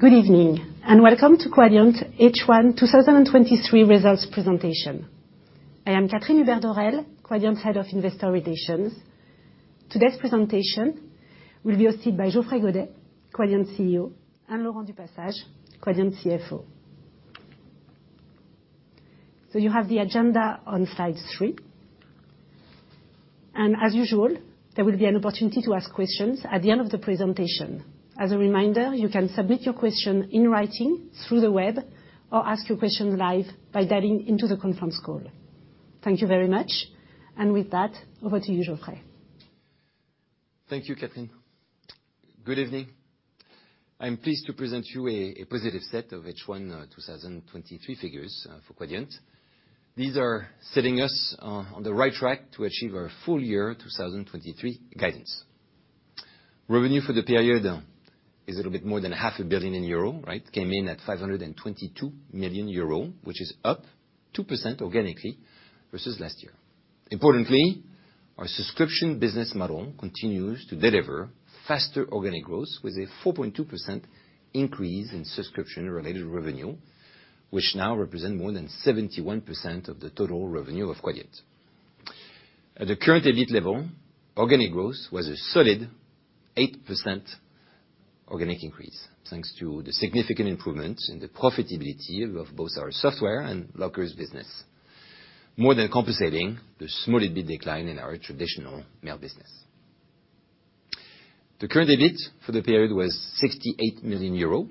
Good evening, and welcome to Quadient H1 2023 results presentation. I am Catherine Hubert-Dorel, Quadient Head of Investor Relations. Today's presentation will be hosted by Geoffrey Godet, Quadient CEO, and Laurent du Passage, Quadient CFO. So you have the agenda on slide three. And as usual, there will be an opportunity to ask questions at the end of the presentation. As a reminder, you can submit your question in writing through the web, or ask your question live by dialing into the conference call. Thank you very much. And with that, over to you, Geoffrey. Thank you, Catherine. Good evening. I'm pleased to present you a positive set of H1 2023 figures for Quadient. These are setting us on the right track to achieve our full year 2023 guidance. Revenue for the period is a little bit more than 500 million euro, right? Came in at 522 million euro, which is up 2% organically versus last year. Importantly, our subscription business model continues to deliver faster organic growth with a 4.2% increase in subscription-related revenue, which now represent more than 71% of the total revenue of Quadient. At the current EBIT level, organic growth was a solid 8% organic increase, thanks to the significant improvement in the profitability of both our software and lockers business, more than compensating the small EBIT decline in our traditional mail business. The current EBIT for the period was 68 million euro,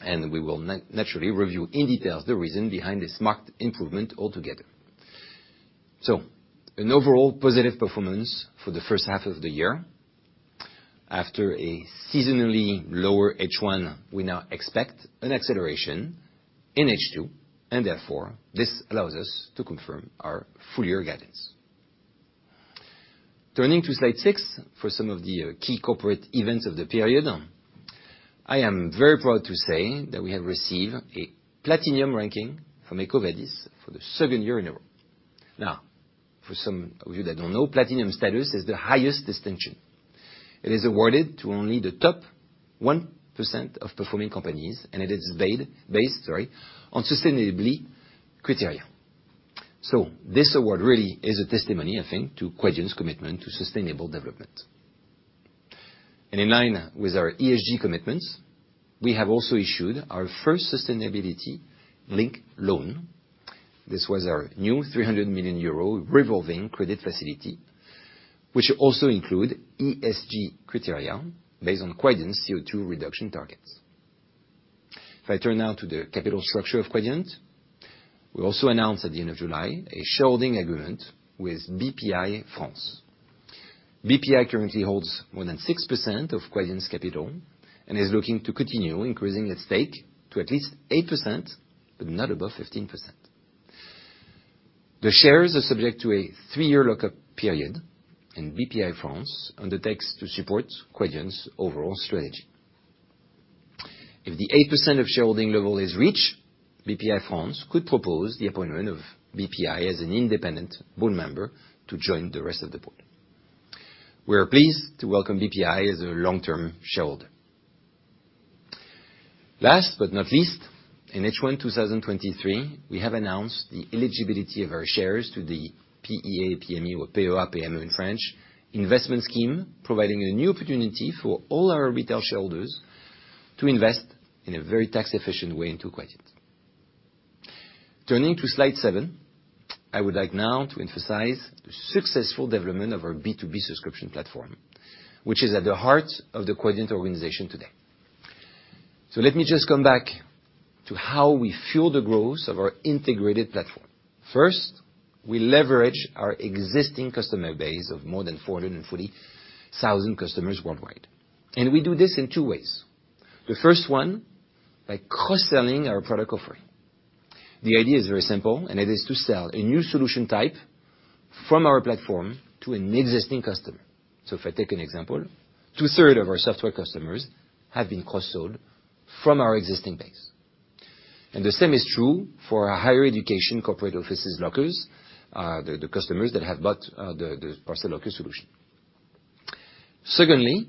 and we will naturally review in details the reason behind this marked improvement altogether. So an overall positive performance for the first half of the year. After a seasonally lower H1, we now expect an acceleration in H2, and therefore, this allows us to confirm our full-year guidance. Turning to slide 6, for some of the key corporate events of the period, I am very proud to say that we have received a platinum ranking from EcoVadis for the second year in a row. Now, for some of you that don't know, platinum status is the highest distinction. It is awarded to only the top 1% of performing companies, and it is based on sustainability criteria. So this award really is a testimony, I think, to Quadient's commitment to sustainable development. In line with our ESG commitments, we have also issued our first sustainability-linked loan. This was our new 300 million euro revolving credit facility, which also include ESG criteria based on Quadient's CO2 reduction targets. If I turn now to the capital structure of Quadient, we also announced at the end of July a shareholding agreement with Bpifrance. Bpifrance currently holds more than 6% of Quadient's capital and is looking to continue increasing its stake to at least 8%, but not above 15%. The shares are subject to a 3-year lock-up period, and Bpifrance undertakes to support Quadient's overall strategy. If the 8% of shareholding level is reached, Bpifrance could propose the appointment of Bpifrance as an independent board member to join the rest of the board. We are pleased to welcome Bpifrance as a long-term shareholder. Last but not least, in H1 2023, we have announced the eligibility of our shares to the PEA-PME, or PEA-PME in French, investment scheme, providing a new opportunity for all our retail shareholders to invest in a very tax-efficient way into Quadient. Turning to slide 7, I would like now to emphasize the successful development of our B2B subscription platform, which is at the heart of the Quadient organization today. So let me just come back to how we fuel the growth of our integrated platform. First, we leverage our existing customer base of more than 440,000 customers worldwide, and we do this in two ways. The first one, by cross-selling our product offering. The idea is very simple, and it is to sell a new solution type from our platform to an existing customer. So if I take an example, two-thirds of our software customers have been cross-sold from our existing base. And the same is true for our higher education corporate offices lockers, the customers that have bought the parcel locker solution. Secondly,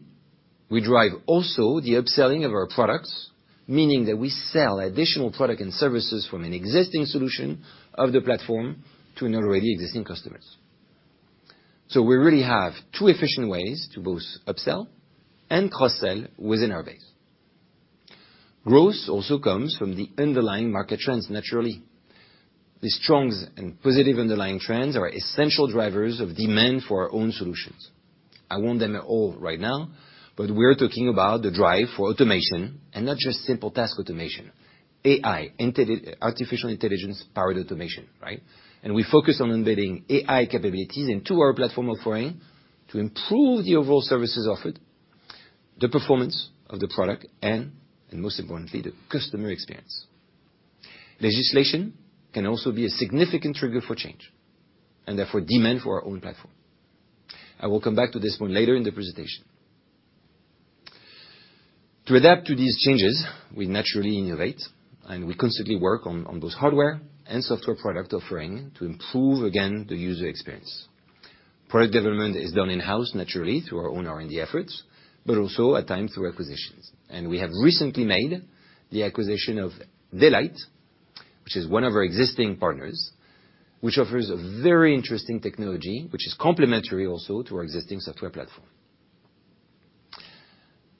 we drive also the upselling of our products, meaning that we sell additional product and services from an existing solution of the platform to an already existing customers. So we really have two efficient ways to both upsell and cross-sell within our base. Growth also comes from the underlying market trends, naturally. The strong and positive underlying trends are essential drivers of demand for our own solutions. I won't name them all right now, but we're talking about the drive for automation, and not just simple task automation, AI, artificial intelligence-powered automation, right? We focus on embedding AI capabilities into our platform offering to improve the overall services offered, the performance of the product, and, and most importantly, the customer experience. Legislation can also be a significant trigger for change, and therefore, demand for our own platform. I will come back to this point later in the presentation. To adapt to these changes, we naturally innovate, and we constantly work on, on both hardware and software product offering to improve, again, the user experience. Product development is done in-house, naturally, through our own R&D efforts, but also at times through acquisitions. We have recently made the acquisition of Daylight, which is one of our existing partners, which offers a very interesting technology, which is complementary also to our existing software platform.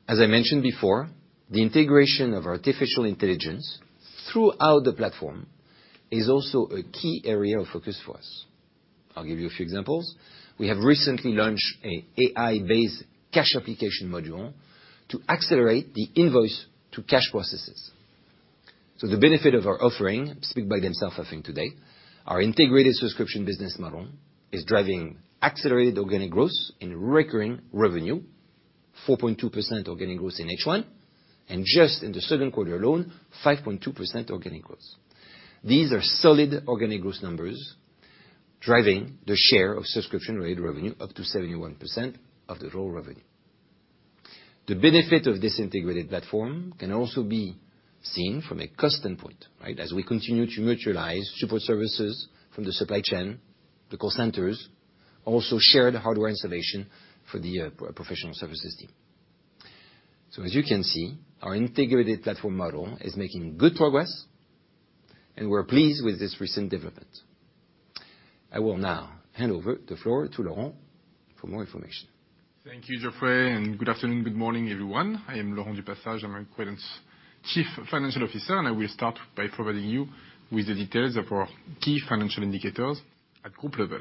As I mentioned before, the integration of artificial intelligence throughout the platform is also a key area of focus for us. I'll give you a few examples. We have recently launched a AI-based cash application module to accelerate the invoice-to-cash processes. So the benefit of our offering speak by themself, I think, today. Our integrated subscription business model is driving accelerated organic growth in recurring revenue, 4.2% organic growth in H1, and just in the second quarter alone, 5.2% organic growth. These are solid organic growth numbers, driving the share of subscription-related revenue up to 71% of the total revenue. The benefit of this integrated platform can also be seen from a cost standpoint, right? As we continue to mutualize support services from the supply chain, the call centers also shared hardware installation for the professional services team. As you can see, our integrated platform model is making good progress, and we're pleased with this recent development. I will now hand over the floor to Laurent for more information. Thank you, Geoffrey, and good afternoon, good morning, everyone. I am Laurent du Passage, I'm Quadient's Chief Financial Officer, and I will start by providing you with the details of our key financial indicators at group level.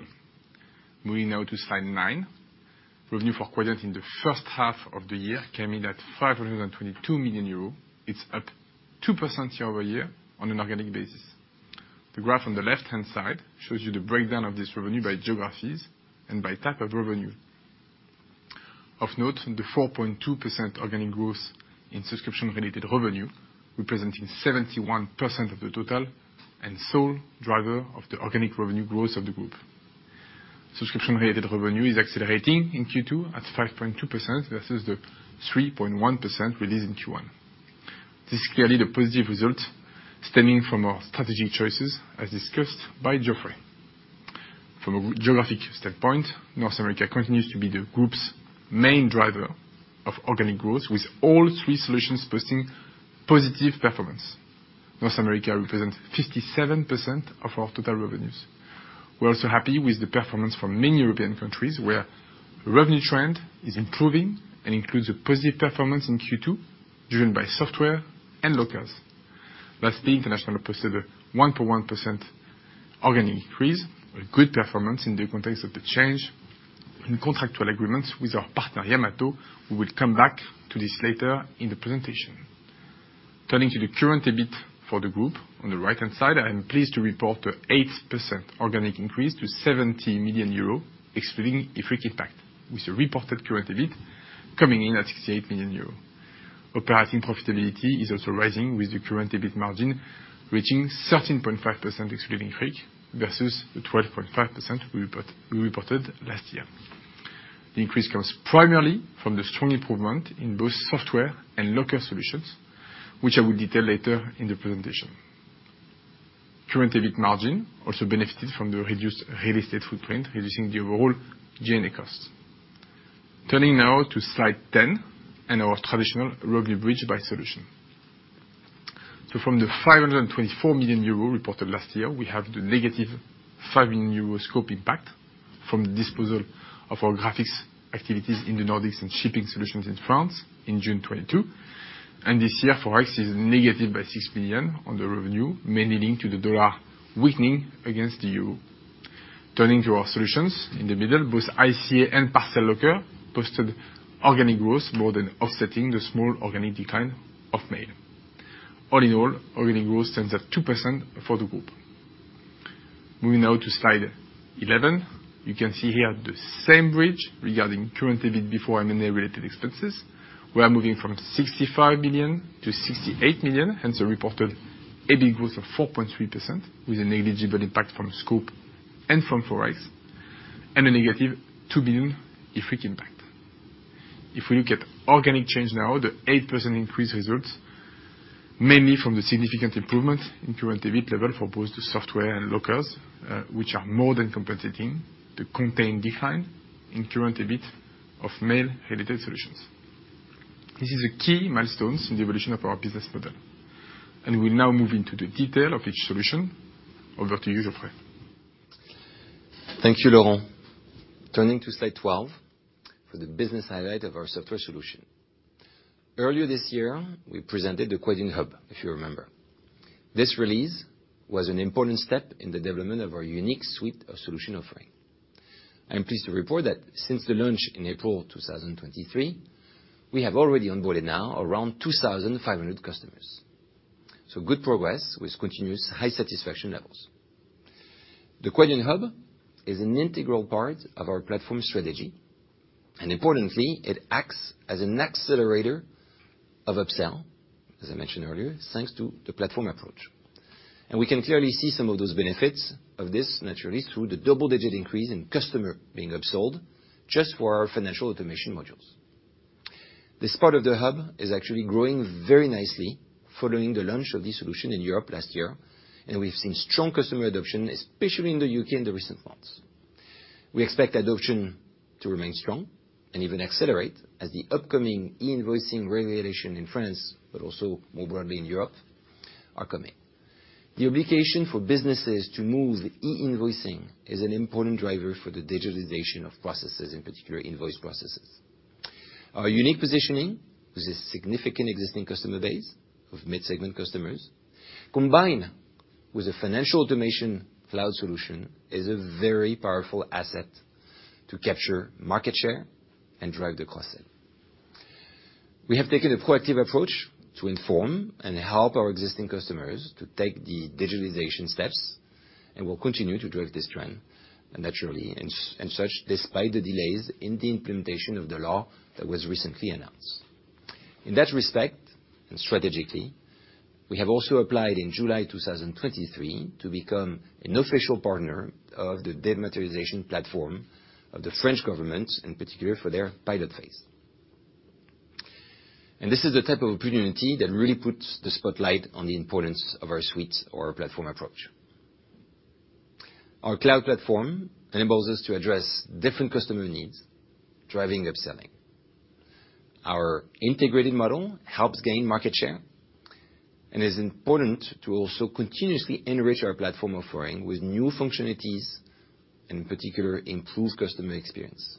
Moving now to slide 9. Revenue for Quadient in the first half of the year came in at 522 million euros. It's up 2% year-over-year on an organic basis. The graph on the left-hand side shows you the breakdown of this revenue by geographies and by type of revenue. Of note, the 4.2% organic growth in subscription-related revenue, representing 71% of the total and sole driver of the organic revenue growth of the group. Subscription-related revenue is accelerating in Q2 at 5.2% versus the 3.1% released in Q1. This is clearly the positive result stemming from our strategic choices, as discussed by Geoffrey. From a geographic standpoint, North America continues to be the group's main driver of organic growth, with all three solutions posting positive performance. North America represents 57% of our total revenues. We're also happy with the performance from many European countries, where revenue trend is improving and includes a positive performance in Q2, driven by software and lockers. Lastly, international posted a 1.1% organic increase, a good performance in the context of the change in contractual agreements with our partner, Yamato. We will come back to this later in the presentation. Turning to the current EBIT for the group, on the right-hand side, I am pleased to report an 8% organic increase to 70 million euro, excluding IFRIC impact, with a reported current EBIT coming in at 68 million euro. Operating profitability is also rising, with the current EBIT margin reaching 13.5% excluding IFRIC, versus the 12.5% we reported last year. The increase comes primarily from the strong improvement in both software and locker solutions, which I will detail later in the presentation. Current EBIT margin also benefited from the reduced real estate footprint, reducing the overall G&A costs. Turning now to slide 10 and our traditional revenue bridge by solution. So from the 524 million euro reported last year, we have the negative 5 million euro scope impact from the disposal of our graphics activities in the Nordics and shipping solutions in France in June 2022. This year, Forex is negative by 6 million on the revenue, mainly linked to the dollar weakening against the euro. Turning to our solutions, in the middle, both ICA and Parcel Locker posted organic growth more than offsetting the small organic decline of Mail. All in all, organic growth stands at 2% for the group. Moving now to slide 11. You can see here the same bridge regarding current EBIT before M&A-related expenses. We are moving from 65 million to 68 million, hence a reported EBIT growth of 4.3%, with a negligible impact from scope and from Forex, and a negative 2 million effect impact. If we look at organic change now, the 8% increase results mainly from the significant improvement in Current EBIT level for both the software and lockers, which are more than compensating the contained decline in Current EBIT of Mail-Related Solutions. This is a key milestones in the evolution of our business model, and we'll now move into the detail of each solution. Over to you, Geoffrey. Thank you, Laurent. Turning to slide 12, for the business highlight of our software solution. Earlier this year, we presented the Quadient Hub, if you remember. This release was an important step in the development of our unique suite of solution offering. I am pleased to report that since the launch in April 2023, we have already onboarded now around 2,500 customers. So good progress, with continuous high satisfaction levels. The Quadient Hub is an integral part of our platform strategy, and importantly, it acts as an accelerator of upsell, as I mentioned earlier, thanks to the platform approach. And we can clearly see some of those benefits of this, naturally, through the double-digit increase in customer being upsold just for our financial automation modules.... This part of the hub is actually growing very nicely following the launch of this solution in Europe last year, and we've seen strong customer adoption, especially in the U.K., in the recent months. We expect adoption to remain strong and even accelerate as the upcoming e-invoicing regulation in France, but also more broadly in Europe, are coming. The obligation for businesses to move e-invoicing is an important driver for the digitalization of processes, in particular, invoice processes. Our unique positioning with a significant existing customer base of mid-segment customers, combined with a financial automation cloud solution, is a very powerful asset to capture market share and drive the cross-sell. We have taken a proactive approach to inform and help our existing customers to take the digitalization steps, and we'll continue to drive this trend naturally. And such, despite the delays in the implementation of the law that was recently announced. In that respect, and strategically, we have also applied in July 2023 to become an official partner of the dematerialization platform of the French government, in particular for their pilot phase. This is the type of opportunity that really puts the spotlight on the importance of our suites or our platform approach. Our cloud platform enables us to address different customer needs, driving upselling. Our integrated model helps gain market share, and it is important to also continuously enrich our platform offering with new functionalities and, in particular, improve customer experience.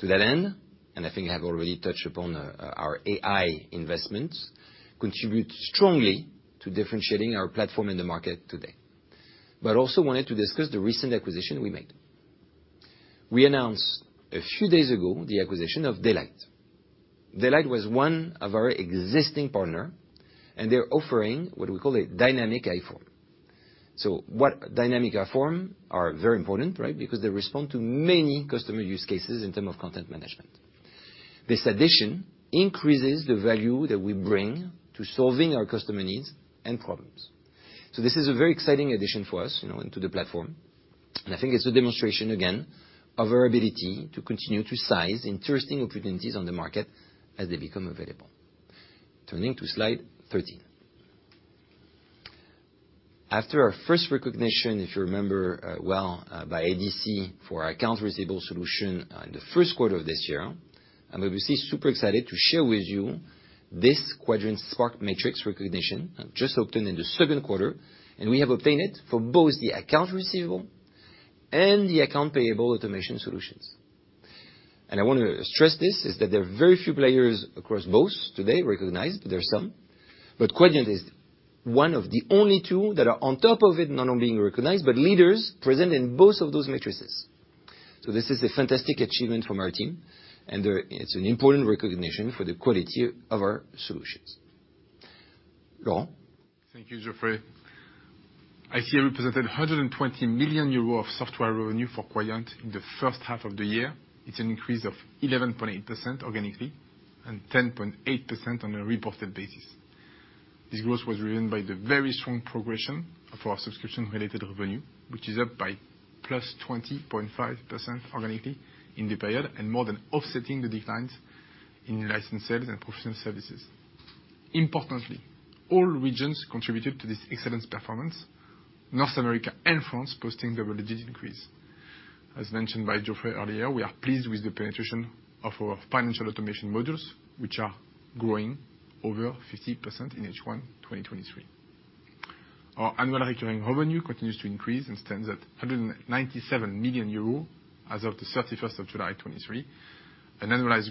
To that end, and I think I've already touched upon, our AI investments, contribute strongly to differentiating our platform in the market today. But also wanted to discuss the recent acquisition we made. We announced a few days ago the acquisition of Daylight. Daylight was one of our existing partner, and they're offering what we call a Dynamic iForms. So what Dynamic iForms are very important, right? Because they respond to many customer use cases in term of content management. This addition increases the value that we bring to solving our customer needs and problems. So this is a very exciting addition for us, you know, into the platform, and I think it's a demonstration, again, of our ability to continue to seize interesting opportunities on the market as they become available. Turning to slide 13. After our first recognition, if you remember, by IDC for our accounts receivable solution in the first quarter of this year, I'm obviously super excited to share with you this Quadrant SPARK Matrix recognition, just obtained in the second quarter, and we have obtained it for both the account receivable and the account payable automation solutions. I want to stress this, is that there are very few players across both today recognized, there are some, but Quadient is one of the only two that are on top of it, not only being recognized, but leaders present in both of those matrices. So this is a fantastic achievement from our team, and they're, it's an important recognition for the quality of our solutions. Laurent? Thank you, Geoffrey. ICA represented 120 million euros of software revenue for Quadient in the first half of the year. It's an increase of 11.8% organically and 10.8% on a reported basis. This growth was driven by the very strong progression of our subscription-related revenue, which is up by +20.5% organically in the period and more than offsetting the declines in license sales and professional services. Importantly, all regions contributed to this excellent performance, North America and France posting double-digit increase. As mentioned by Geoffrey earlier, we are pleased with the penetration of our financial automation modules, which are growing over 50% in H1 2023. Our annual recurring revenue continues to increase and stands at 197 million euros as of the thirty-first of July 2023, an annualized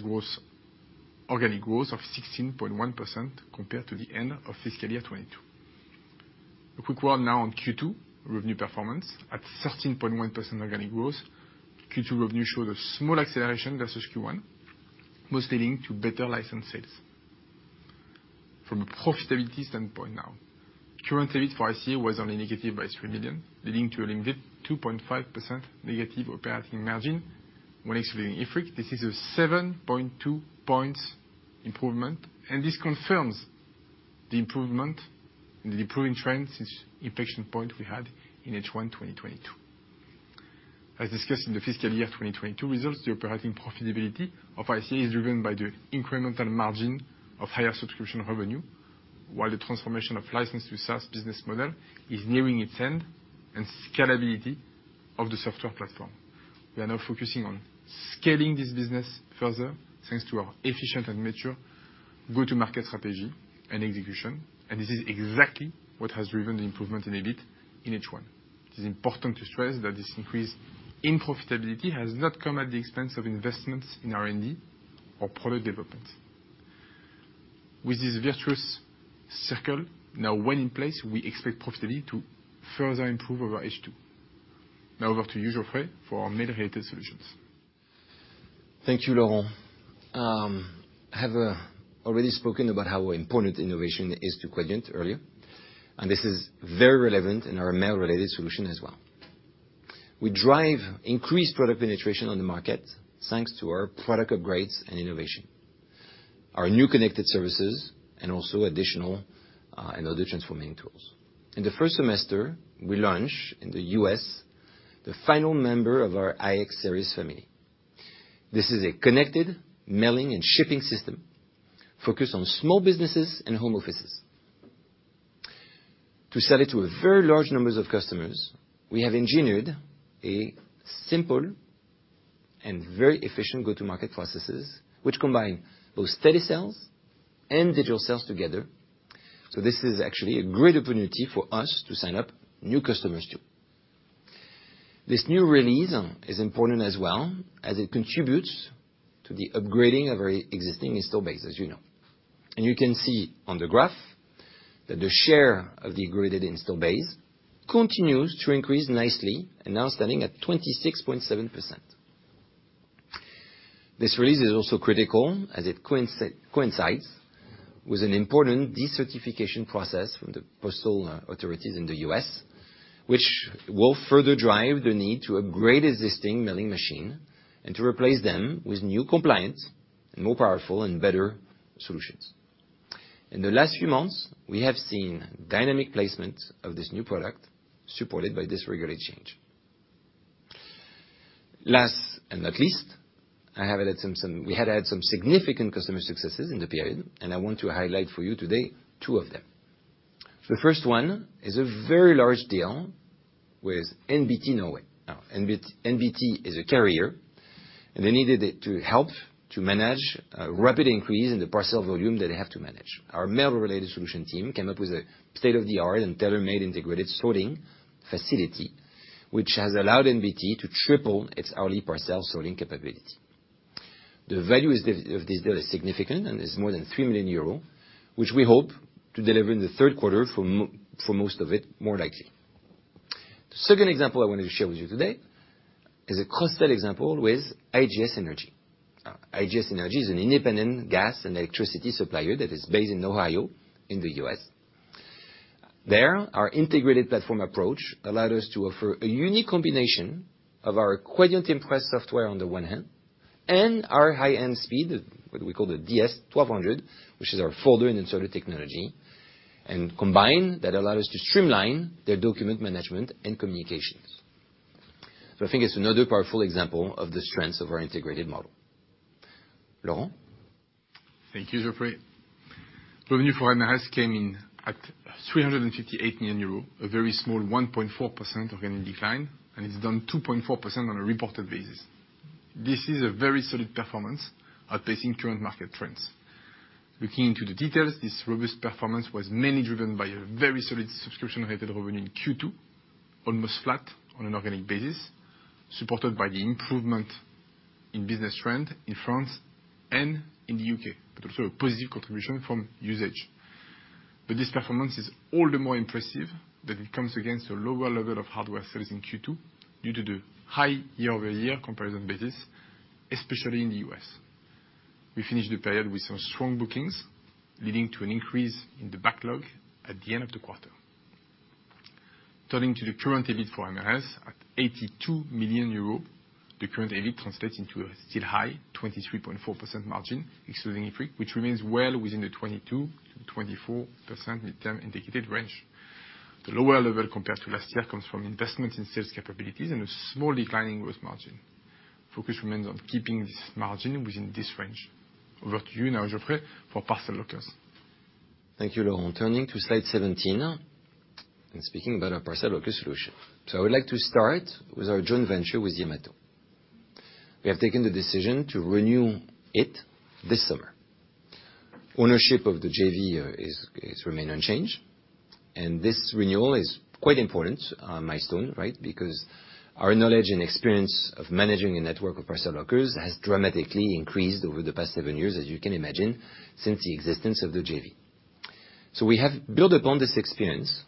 organic growth of 16.1% compared to the end of fiscal year 2022. A quick word now on Q2 revenue performance. At 13.1% organic growth, Q2 revenue showed a small acceleration versus Q1, mostly linked to better license sales. From a profitability standpoint now, current profit for ICA was only negative by 3 million, leading to a limited 2.5% negative operating margin. When excluding IFRIC, this is a 7.2 percentage points improvement, and this confirms the improvement and the improving trend since inflection point we had in H1 2022. As discussed in the fiscal year 2022 results, the operating profitability of ICA is driven by the incremental margin of higher subscription revenue, while the transformation of license to SaaS business model is nearing its end, and scalability of the software platform. We are now focusing on scaling this business further, thanks to our efficient and mature go-to-market strategy and execution, and this is exactly what has driven the improvement in EBIT in H1. It is important to stress that this increase in profitability has not come at the expense of investments in R&D or product development. With this virtuous circle now well in place, we expect profitability to further improve over H2. Now over to you, Geoffrey, for our mail-related solutions. Thank you, Laurent. I have already spoken about how important innovation is to Quadient earlier, and this is very relevant in our mail-related solution as well. We drive increased product penetration on the market, thanks to our product upgrades and innovation, our new connected services, and also additional and other transforming tools. In the first semester, we launched in the US the final member of our iX-Series family. This is a connected mailing and shipping system focused on small businesses and home offices. To sell it to a very large numbers of customers, we have engineered a simple and very efficient go-to-market processes, which combine both telesales and digital sales together. So this is actually a great opportunity for us to sign up new customers, too. This new release is important as well, as it contributes to the upgrading of our existing install base, as you know. And you can see on the graph, that the share of the upgraded install base continues to increase nicely, and now standing at 26.7%. This release is also critical, as it coincides with an important decertification process from the postal authorities in the U.S., which will further drive the need to upgrade existing mailing machine and to replace them with new compliance, and more powerful and better solutions. In the last few months, we have seen dynamic placement of this new product, supported by this regulatory change. Last and not least, we had some significant customer successes in the period, and I want to highlight for you today two of them. The first one is a very large deal with NBT Norway. NBT is a carrier, and they needed it to help to manage a rapid increase in the parcel volume that they have to manage. Our mail-related solution team came up with a state-of-the-art and tailor-made integrated sorting facility, which has allowed NBT to triple its hourly parcel sorting capability. The value of this deal is significant, and is more than 3 million euro, which we hope to deliver in the third quarter for most of it, more likely. The second example I wanted to share with you today is a cross-sell example with IGS Energy. IGS Energy is an independent gas and electricity supplier that is based in Ohio, in the U.S. There, our integrated platform approach allowed us to offer a unique combination of our Quadient Impress software on the one hand, and our high-end speed, what we call the DS-1200, which is our folder and inserter technology, and combined, that allow us to streamline their document management and communications. So I think it's another powerful example of the strengths of our integrated model. Laurent? Thank you, Geoffrey. Revenue for MRS came in at 358 million euros, a very small 1.4% organic decline, and it's down 2.4% on a reported basis. This is a very solid performance outpacing current market trends. Looking into the details, this robust performance was mainly driven by a very solid subscription-related revenue in Q2, almost flat on an organic basis, supported by the improvement in business trend in France and in the U.K., but also a positive contribution from usage. This performance is all the more impressive that it comes against a lower level of hardware sales in Q2, due to the high year-over-year comparison basis, especially in the U.S. We finished the period with some strong bookings, leading to an increase in the backlog at the end of the quarter. Turning to the current EBIT for MRS, at 82 million euros, the current EBIT translates into a still high 23.4% margin, excluding IFRIC, which remains well within the 22%-24% mid-term indicated range. The lower level compared to last year comes from investment in sales capabilities and a small decline in gross margin. Focus remains on keeping this margin within this range. Over to you now, Geoffrey, for parcel lockers. Thank you, Laurent. Turning to slide 17, and speaking about our parcel locker solution. I would like to start with our joint venture with Yamato. We have taken the decision to renew it this summer. Ownership of the JV remains unchanged, and this renewal is quite important milestone, right? Because our knowledge and experience of managing a network of parcel lockers has dramatically increased over the past seven years, as you can imagine, since the existence of the JV. We have built upon this experience,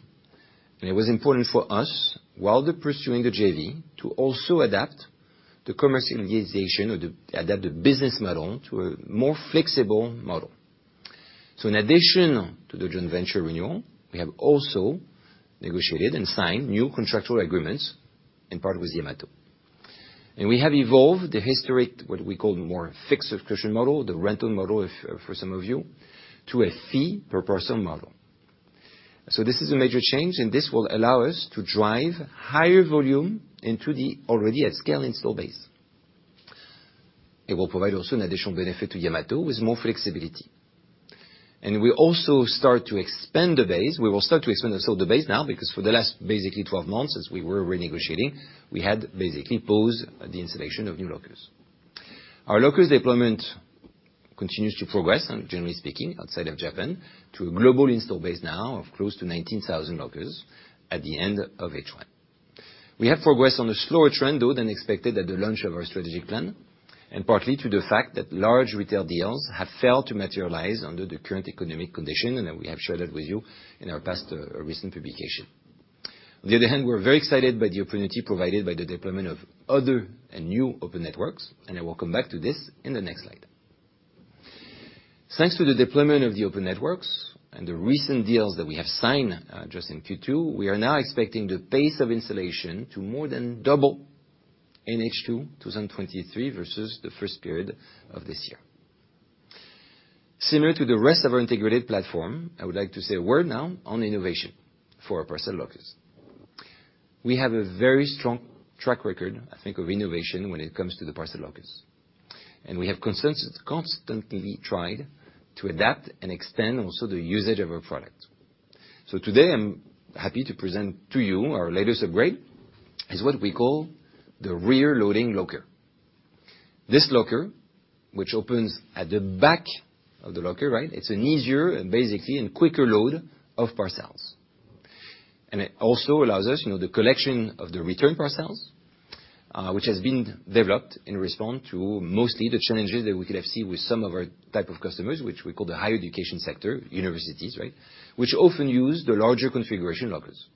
and it was important for us, while pursuing the JV, to also adapt the commercialization or adapt the business model to a more flexible model. In addition to the joint venture renewal, we have also negotiated and signed new contractual agreements, in part with Yamato. We have evolved the historic, what we call more fixed subscription model, the rental model for, for some of you, to a fee per parcel model. This is a major change, and this will allow us to drive higher volume into the already at-scale install base. It will provide also an additional benefit to Yamato with more flexibility. We also start to expand the base. We will start to expand the install base now, because for the last basically 12 months, as we were renegotiating, we had basically paused the installation of new lockers. Our lockers deployment continues to progress, and generally speaking, outside of Japan, to a global install base now of close to 19,000 lockers at the end of H1. We have progressed on a slower trend, though, than expected at the launch of our strategic plan, and partly to the fact that large retail deals have failed to materialize under the current economic condition, and we have shared that with you in our past, recent publication. On the other hand, we're very excited by the opportunity provided by the deployment of other and new open networks, and I will come back to this in the next slide. Thanks to the deployment of the open networks and the recent deals that we have signed, just in Q2, we are now expecting the pace of installation to more than double in H2 2023 versus the first period of this year. Similar to the rest of our integrated platform, I would like to say a word now on innovation for our parcel lockers. We have a very strong track record, I think, of innovation when it comes to the parcel lockers, and we have constantly tried to adapt and extend also the usage of our product. So today, I'm happy to present to you our latest upgrade, is what we call the rear-loading locker. This locker, which opens at the back of the locker, right? It's an easier and basically, and quicker load of parcels. And it also allows us, you know, the collection of the return parcels, which has been developed in response to mostly the challenges that we could have seen with some of our type of customers, which we call the higher education sector, universities, right? Which often use the larger configuration lockers.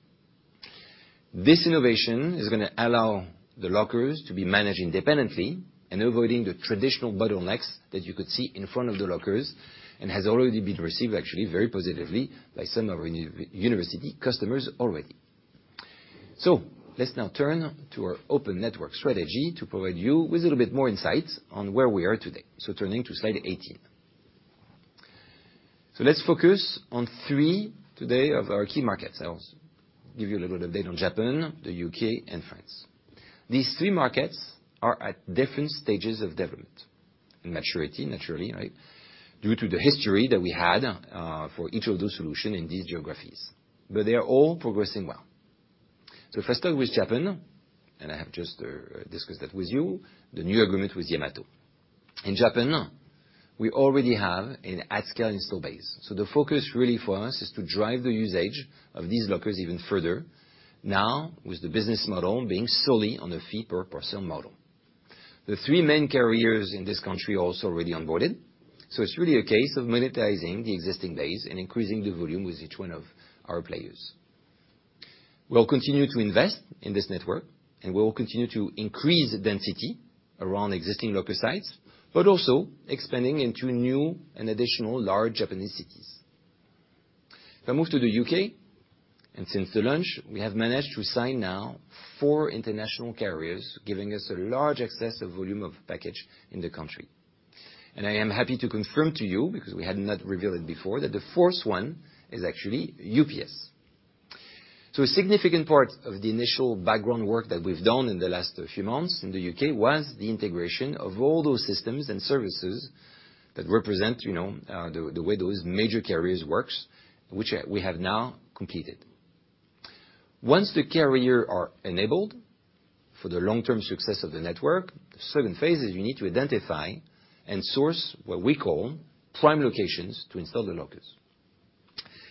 This innovation is gonna allow the lockers to be managed independently, and avoiding the traditional bottlenecks that you could see in front of the lockers, and has already been received actually, very positively by some of our university customers already. So let's now turn to our open network strategy to provide you with a little bit more insight on where we are today. So turning to slide 18. So let's focus on three today of our key markets. I'll give you a little update on Japan, the UK, and France. These three markets are at different stages of development and maturity, naturally, right? Due to the history that we had for each of those solution in these geographies, but they are all progressing well. So if I start with Japan, and I have just discussed that with you, the new agreement with Yamato. In Japan, we already have an at-scale installed base, so the focus really for us is to drive the usage of these lockers even further, now with the business model being solely on a fee per parcel model. The three main carriers in this country are also already onboarded, so it's really a case of monetizing the existing base and increasing the volume with each one of our players. We'll continue to invest in this network, and we will continue to increase the density around existing locker sites, but also expanding into new and additional large Japanese cities. If I move to the U.K., since the launch, we have managed to sign now four international carriers, giving us a large excess of volume of packages in the country. I am happy to confirm to you, because we had not revealed it before, that the fourth one is actually UPS. A significant part of the initial background work that we've done in the last few months in the UK was the integration of all those systems and services that represent, you know, the way those major carriers work, which we have now completed. Once the carriers are enabled for the long-term success of the network, the second phase is you need to identify and source what we call prime locations to install the lockers.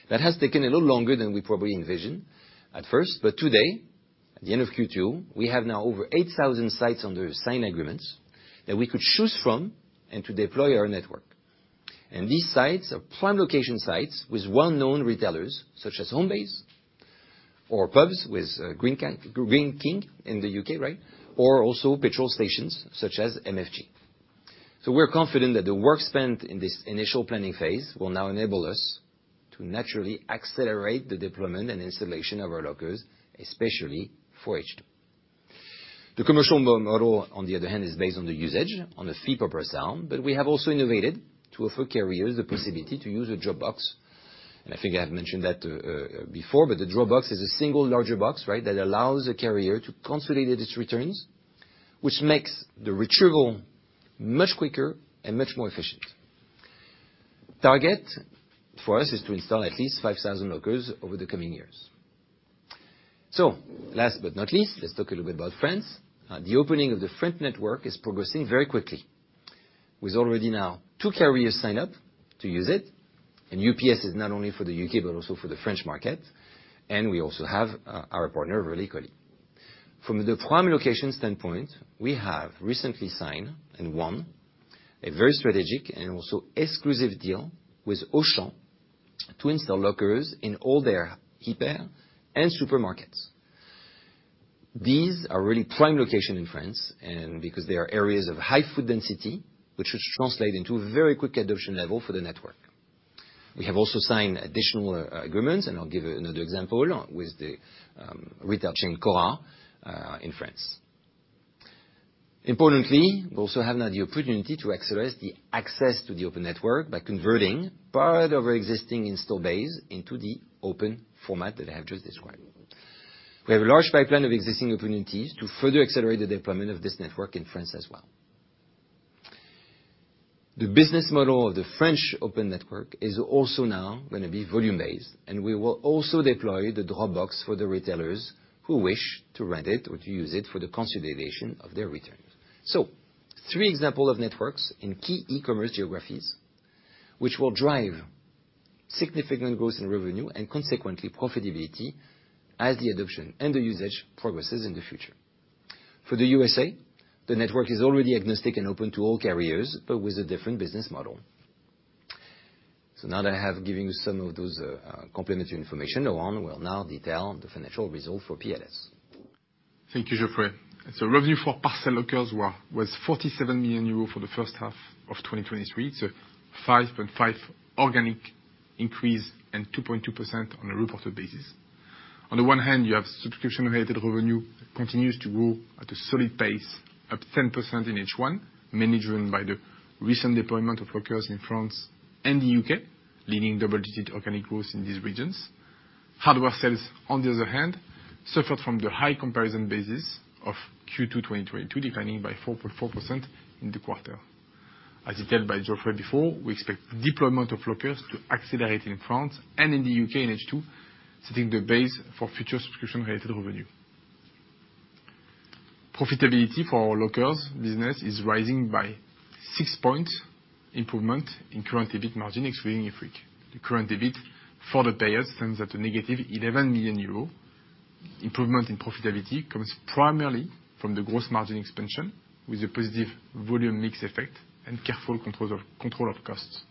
That has taken a little longer than we probably envisioned at first, but today, at the end of Q2, we have now over 8,000 sites under signed agreements that we could choose from and to deploy our network. These sites are prime location sites with well-known retailers such as Homebase or pubs with Greene King in the U.K., right, or also petrol stations such as MFG. We're confident that the work spent in this initial planning phase will now enable us to naturally accelerate the deployment and installation of our lockers, especially for H2. The commercial model, on the other hand, is based on the usage, on a fee per parcel, but we have also innovated to offer carriers the possibility to use a drop box. I think I have mentioned that before, but the drop box is a single larger box, right? That allows the carrier to consolidate its returns, which makes the retrieval much quicker and much more efficient. Target for us is to install at least 5,000 lockers over the coming years. So last but not least, let's talk a little bit about France. The opening of the France network is progressing very quickly, with already now two carriers signed up to use it, and UPS is not only for the UK, but also for the French market, and we also have our partner, Relais Colis. From the prime location standpoint, we have recently signed, and won, a very strategic and also exclusive deal with Auchan to install lockers in all their hyper and supermarkets. These are really prime location in France, and because they are areas of high foot density, which should translate into a very quick adoption level for the network. We have also signed additional agreements, and I'll give another example with the retail chain, Cora, in France. Importantly, we also have now the opportunity to accelerate the access to the open network by converting part of our existing install base into the open format that I have just described. We have a large pipeline of existing opportunities to further accelerate the deployment of this network in France as well. The business model of the French open network is also now gonna be volume-based, and we will also deploy the drop box for the retailers who wish to rent it or to use it for the consolidation of their returns. Three example of networks in key e-commerce geographies, which will drive significant growth in revenue, and consequently, profitability as the adoption and the usage progresses in the future. For the U.S.A., the network is already agnostic and open to all carriers, but with a different business model. So now that I have given you some of those complementary information, Laurent will now detail the financial results for PLS. Thank you, Geoffrey. So revenue for parcel lockers was 47 million euros for the first half of 2023, so 5.5% organic increase and 2.2% on a reported basis. On the one hand, you have subscription-related revenue continues to grow at a solid pace of 10% in H1, mainly driven by the recent deployment of lockers in France and the U.K., leading double-digit organic growth in these regions. Hardware sales, on the other hand, suffered from the high comparison basis of Q2 2022, declining by 4.4% in the quarter. As detailed by Geoffrey before, we expect deployment of lockers to accelerate in France and in the U.K. in H2, setting the base for future subscription-related revenue. Profitability for our lockers business is rising by six points, improvement in current EBIT margin, excluding IFRIC. The current EBIT for the PLS stands at -11 million euro. Improvement in profitability comes primarily from the gross margin expansion, with a positive volume mix effect and careful control of costs.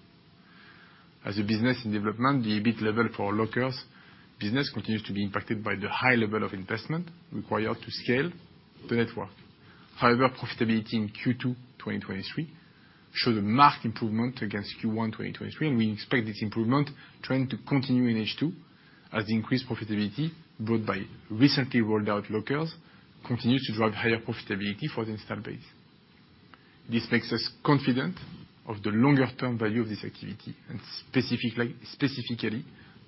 As a business in development, the EBIT level for our lockers business continues to be impacted by the high level of investment required to scale the network. However, profitability in Q2 2023 showed a marked improvement against Q1 2023, and we expect this improvement trend to continue in H2 as increased profitability brought by recently rolled out lockers continues to drive higher profitability for the installed base. This makes us confident of the longer-term value of this activity, and specifically,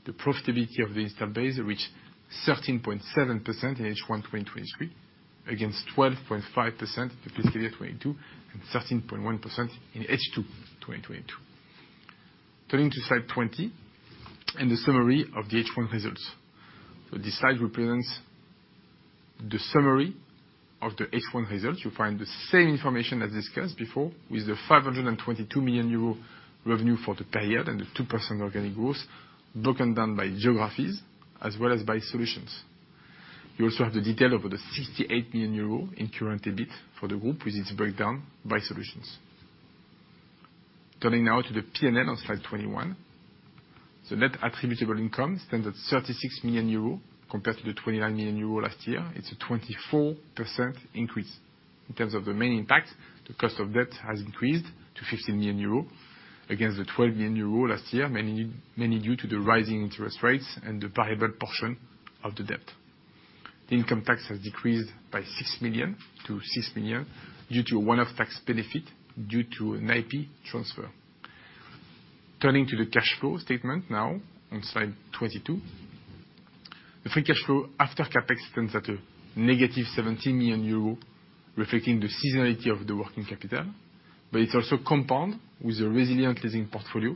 the profitability of the installed base reached 13.7% in H1 2023, against 12.5% in fiscal year 2022, and 13.1% in H2 2022. Turning to slide 20, and the summary of the H1 results. So this slide represents the summary of the H1 results. You find the same information as discussed before, with the 522 million euro revenue for the period, and the 2% organic growth, broken down by geographies as well as by solutions. You also have the detail of the 68 million euro in current EBIT for the group, with its breakdown by solutions. Turning now to the P&L on slide 21. So net attributable income stands at 36 million euros, compared to the 29 million euros last year. It's a 24% increase. In terms of the main impact, the cost of debt has increased to 15 million euro, against the 12 million euro last year, mainly due to the rising interest rates and the variable portion of the debt. The income tax has decreased by 6 million to 6 million, due to a one-off tax benefit due to an IP transfer. Turning to the cash flow statement now on slide 22. The free cash flow after CapEx stands at -17 million euros, reflecting the seasonality of the working capital, but it's also compound with a resilient leasing portfolio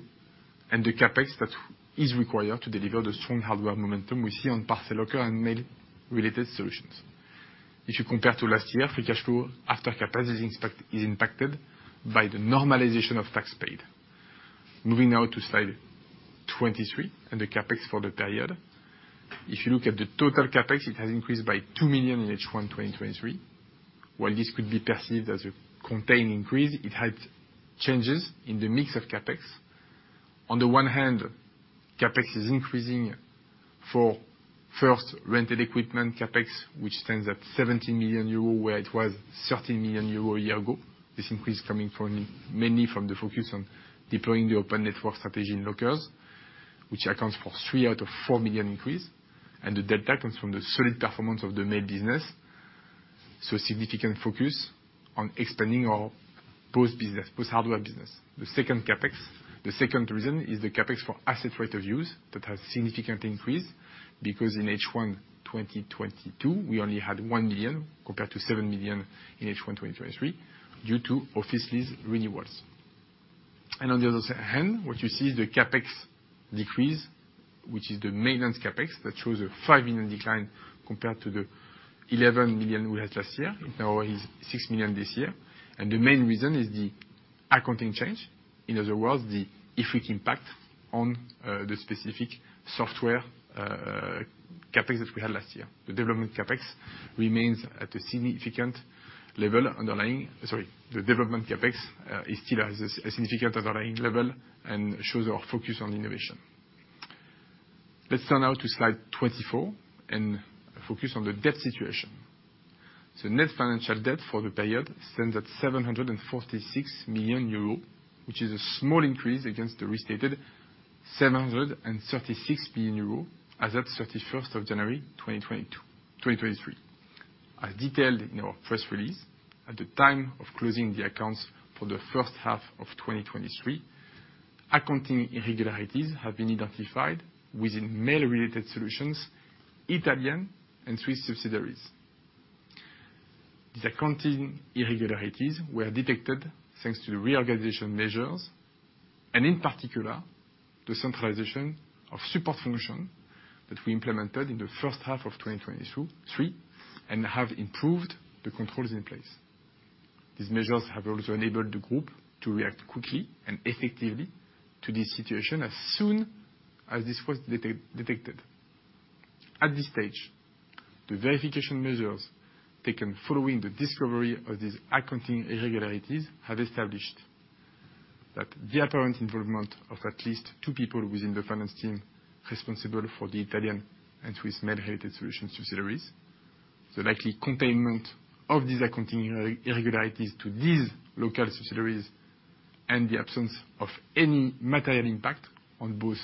and the CapEx that is required to deliver the strong hardware momentum we see on parcel locker and mail-related solutions. If you compare to last year, free cash flow after CapEx is impacted by the normalization of tax paid. Moving now to slide 23, and the CapEx for the period. If you look at the total CapEx, it has increased by 2 million in H1 2023. While this could be perceived as a contained increase, it had changes in the mix of CapEx. On the one hand, CapEx is increasing for, first, rented equipment CapEx, which stands at 17 million euros, where it was 13 million euros a year ago. This increase coming from, mainly from the focus on deploying the open network strategy in lockers, which accounts for 3 out of 4 million increase, and the data comes from the solid performance of the mail business, so a significant focus on expanding our post business, post hardware business. The second CapEx, the second reason is the CapEx for asset right-of-use. That has significantly increased, because in H1 2022, we only had 1 million compared to 7 million in H1 2023, due to office lease renewals. And on the other hand, what you see is the CapEx decrease, which is the maintenance CapEx, that shows a 5 million decline compared to the 11 million we had last year. Now it is 6 million this year, and the main reason is the accounting change, in other words, the IFRIC impact on the specific software CapEx that we had last year. The development CapEx remains at a significant level underlying. Sorry, the development CapEx is still at a significant underlying level and shows our focus on innovation. Let's turn now to slide 24, and focus on the debt situation. Net financial debt for the period stands at 746 million euros, which is a small increase against the restated 736 million euros as at 31st of January, 2022, 2023. As detailed in our press release, at the time of closing the accounts for the first half of 2023, accounting irregularities have been identified within Mail-Related Solutions, Italian and Swiss subsidiaries. The accounting irregularities were detected thanks to the reorganization measures, and in particular, the centralization of support function that we implemented in the first half of 2022, 2023, and have improved the controls in place. These measures have also enabled the group to react quickly and effectively to this situation as soon as this was detected. At this stage, the verification measures taken following the discovery of these accounting irregularities have established that the apparent involvement of at least two people within the finance team responsible for the Italian and Swiss Mail-Related Solutions subsidiaries, the likely containment of these accounting irregularities to these local subsidiaries, and the absence of any material impact on both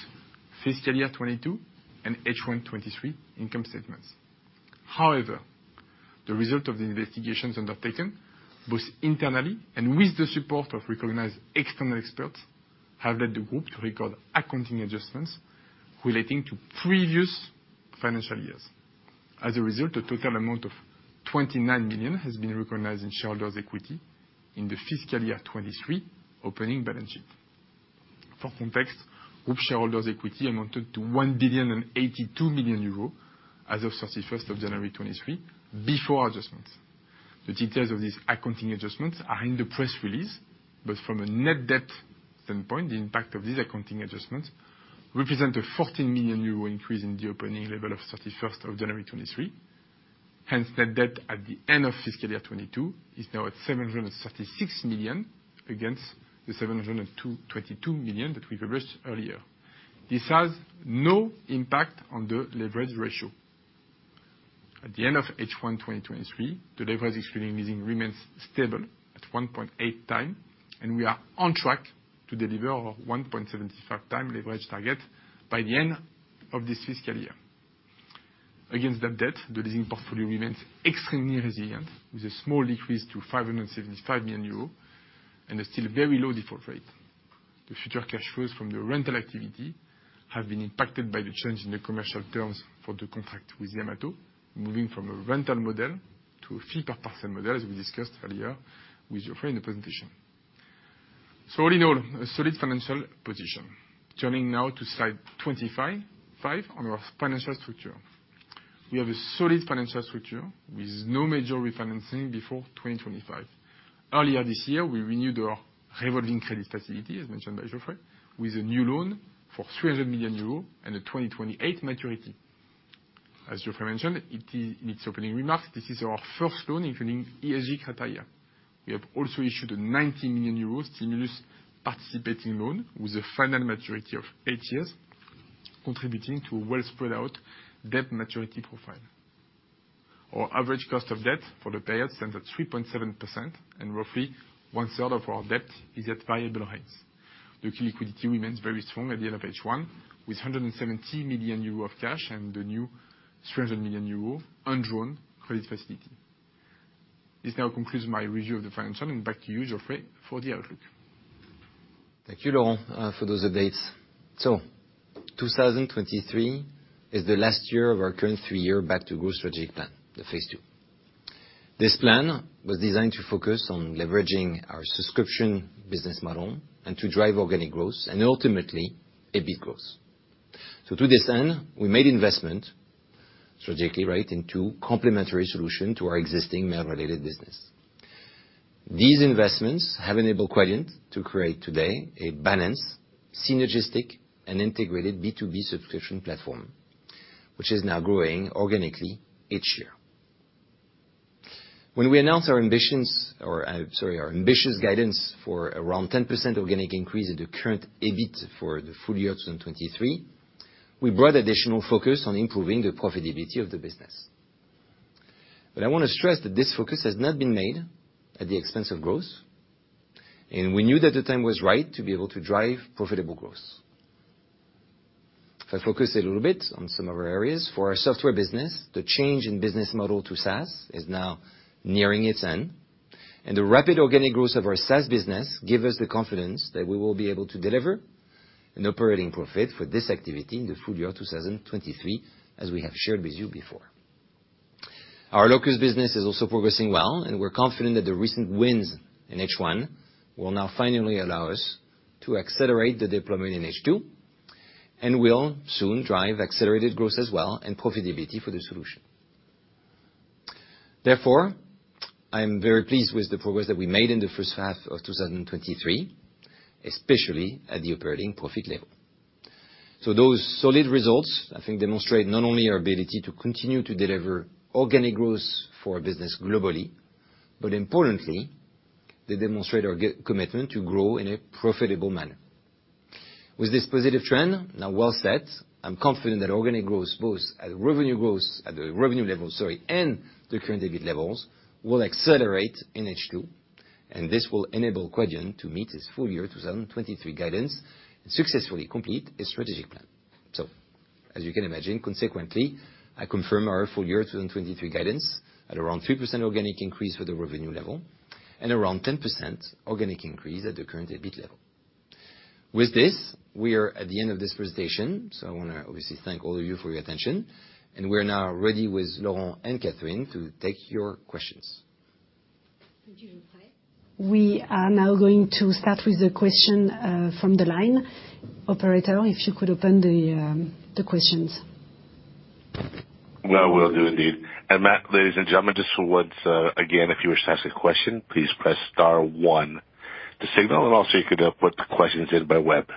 fiscal year 2022 and H1 2023 income statements. However, the result of the investigations undertaken, both internally and with the support of recognized external experts, have led the group to record accounting adjustments relating to previous financial years. As a result, a total amount of 29 million has been recognized in shareholders' equity in the fiscal year 2023 opening balance sheet. For context, group shareholders' equity amounted to 1,082 million euros as of thirty-first of January 2023, before adjustments. The details of these accounting adjustments are in the press release, but from a net debt standpoint, the impact of these accounting adjustments represent a 14 million euro increase in the opening level of 31st of January 2023. Hence, net debt at the end of fiscal year 2022 is now at 736 million, against the 722 million that we've addressed earlier. This has no impact on the leverage ratio. At the end of H1 2023, the leverage excluding leasing remains stable at 1.8x, and we are on track to deliver our 1.75x leverage target by the end of this fiscal year. Against that debt, the leasing portfolio remains extremely resilient, with a small decrease to 575 million euros and a still very low default rate. The future cash flows from the rental activity have been impacted by the change in the commercial terms for the contract with Yamato, moving from a rental model to a fee per parcel model, as we discussed earlier with Geoffrey in the presentation. So all in all, a solid financial position. Turning now to slide 25.5 on our financial structure. We have a solid financial structure with no major refinancing before 2025. Earlier this year, we renewed our revolving credit facility, as mentioned by Geoffrey, with a new loan for 300 million euros and a 2028 maturity. As Geoffrey mentioned, it in his opening remarks, this is our first loan including ESG criteria. We have also issued a 90 million euros stimulus participating loan with a final maturity of eight years, contributing to a well-spread-out debt maturity profile. Our average cost of debt for the period stands at 3.7%, and roughly one third of our debt is at variable rates. The liquidity remains very strong at the end of H1, with 170 million euro of cash and the new 300 million euro undrawn credit facility. This now concludes my review of the financials, and back to you, Geoffrey, for the outlook. Thank you, Laurent, for those updates. So 2023 is the last year of our current three-year back-to-growth strategic plan, the phase two. This plan was designed to focus on leveraging our subscription business model and to drive organic growth and ultimately, EBIT growth. So to this end, we made investment strategically right into complementary solution to our existing mail-related business. These investments have enabled Quadient to create today a balanced, synergistic, and integrated B2B subscription platform, which is now growing organically each year. When we announced our ambitions or, sorry, our ambitious guidance for around 10% organic increase at the current EBIT for the full year of 2023, we brought additional focus on improving the profitability of the business. I want to stress that this focus has not been made at the expense of growth, and we knew that the time was right to be able to drive profitable growth. If I focus a little bit on some of our areas, for our software business, the change in business model to SaaS is now nearing its end, and the rapid organic growth of our SaaS business give us the confidence that we will be able to deliver an operating profit for this activity in the full year 2023, as we have shared with you before. Our lockers business is also progressing well, and we're confident that the recent wins in H1 will now finally allow us to accelerate the deployment in H2, and will soon drive accelerated growth as well and profitability for the solution. Therefore, I am very pleased with the progress that we made in the first half of 2023, especially at the operating profit level. So those solid results, I think, demonstrate not only our ability to continue to deliver organic growth for our business globally, but importantly, they demonstrate our commitment to grow in a profitable manner. With this positive trend now well set, I'm confident that organic growth, both at revenue growth, at the revenue level, sorry, and the current EBIT levels, will accelerate in H2, and this will enable Quadient to meet its full year 2023 guidance and successfully complete its strategic plan. So as you can imagine, consequently, I confirm our full year 2023 guidance at around 3% organic increase for the revenue level and around 10% organic increase at the current EBIT level. With this, we are at the end of this presentation, so I want to obviously thank all of you for your attention, and we're now ready with Laurent and Catherine to take your questions. Thank you, Geoffrey. We are now going to start with the question from the line. Operator, if you could open the questions. I will do indeed. Ladies and gentlemen, just once again, if you wish to ask a question, please press star one to signal, and also you could put the questions in by web. ...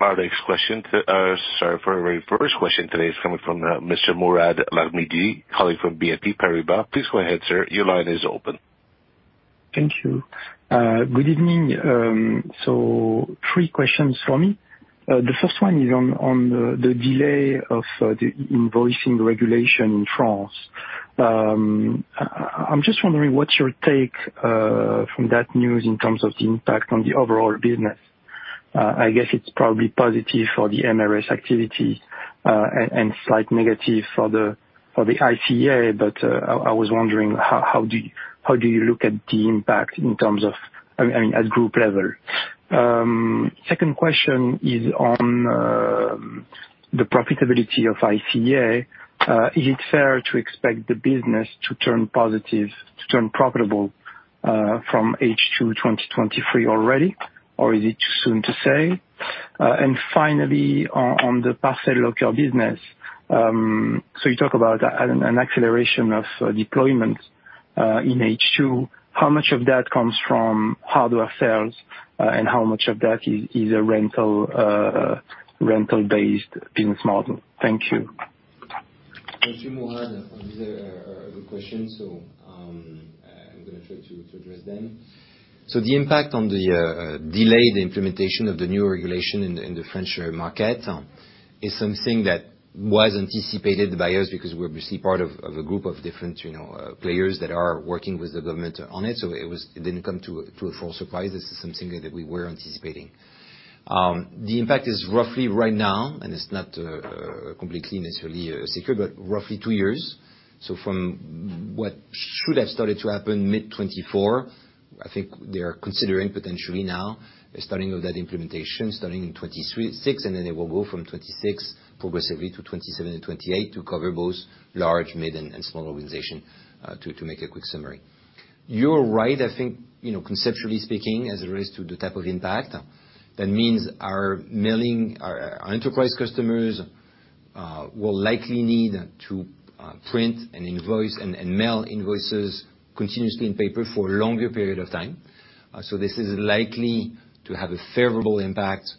Our next question to, sorry, for our very first question today is coming from, Mr. Mourad Lahmidi, calling from BNP Paribas. Please go ahead, sir. Your line is open. Thank you. Good evening. So three questions for me. The first one is on the delay of the invoicing regulation in France. I'm just wondering what's your take from that news in terms of the impact on the overall business? I guess it's probably positive for the MRS activity, and slight negative for the ICA, but I was wondering how do you look at the impact in terms of—I mean, at group level? Second question is on the profitability of ICA. Is it fair to expect the business to turn positive, to turn profitable, from H2 2023 already, or is it too soon to say? And finally, on the parcel locker business. So you talk about an acceleration of deployment in H2. How much of that comes from hardware sales, and how much of that is a rental-based business model? Thank you. Thank you, Mourad. These are good questions, so I'm gonna try to address them. The impact on the delayed implementation of the new regulation in the French market is something that was anticipated by us because we're obviously part of a group of different, you know, players that are working with the government on it. It didn't come to a full surprise. This is something that we were anticipating. The impact is roughly right now, and it's not completely necessarily secure, but roughly 2 years. So from what should have started to happen mid-2024, I think they are considering potentially now the starting of that implementation starting in 2026, and then it will go from 2026 progressively to 2027 and 2028 to cover both large, mid, and small organization, to make a quick summary. You're right, I think, you know, conceptually speaking, as it relates to the type of impact, that means our mailing, our enterprise customers will likely need to print an invoice and mail invoices continuously in paper for a longer period of time. So this is likely to have a favorable impact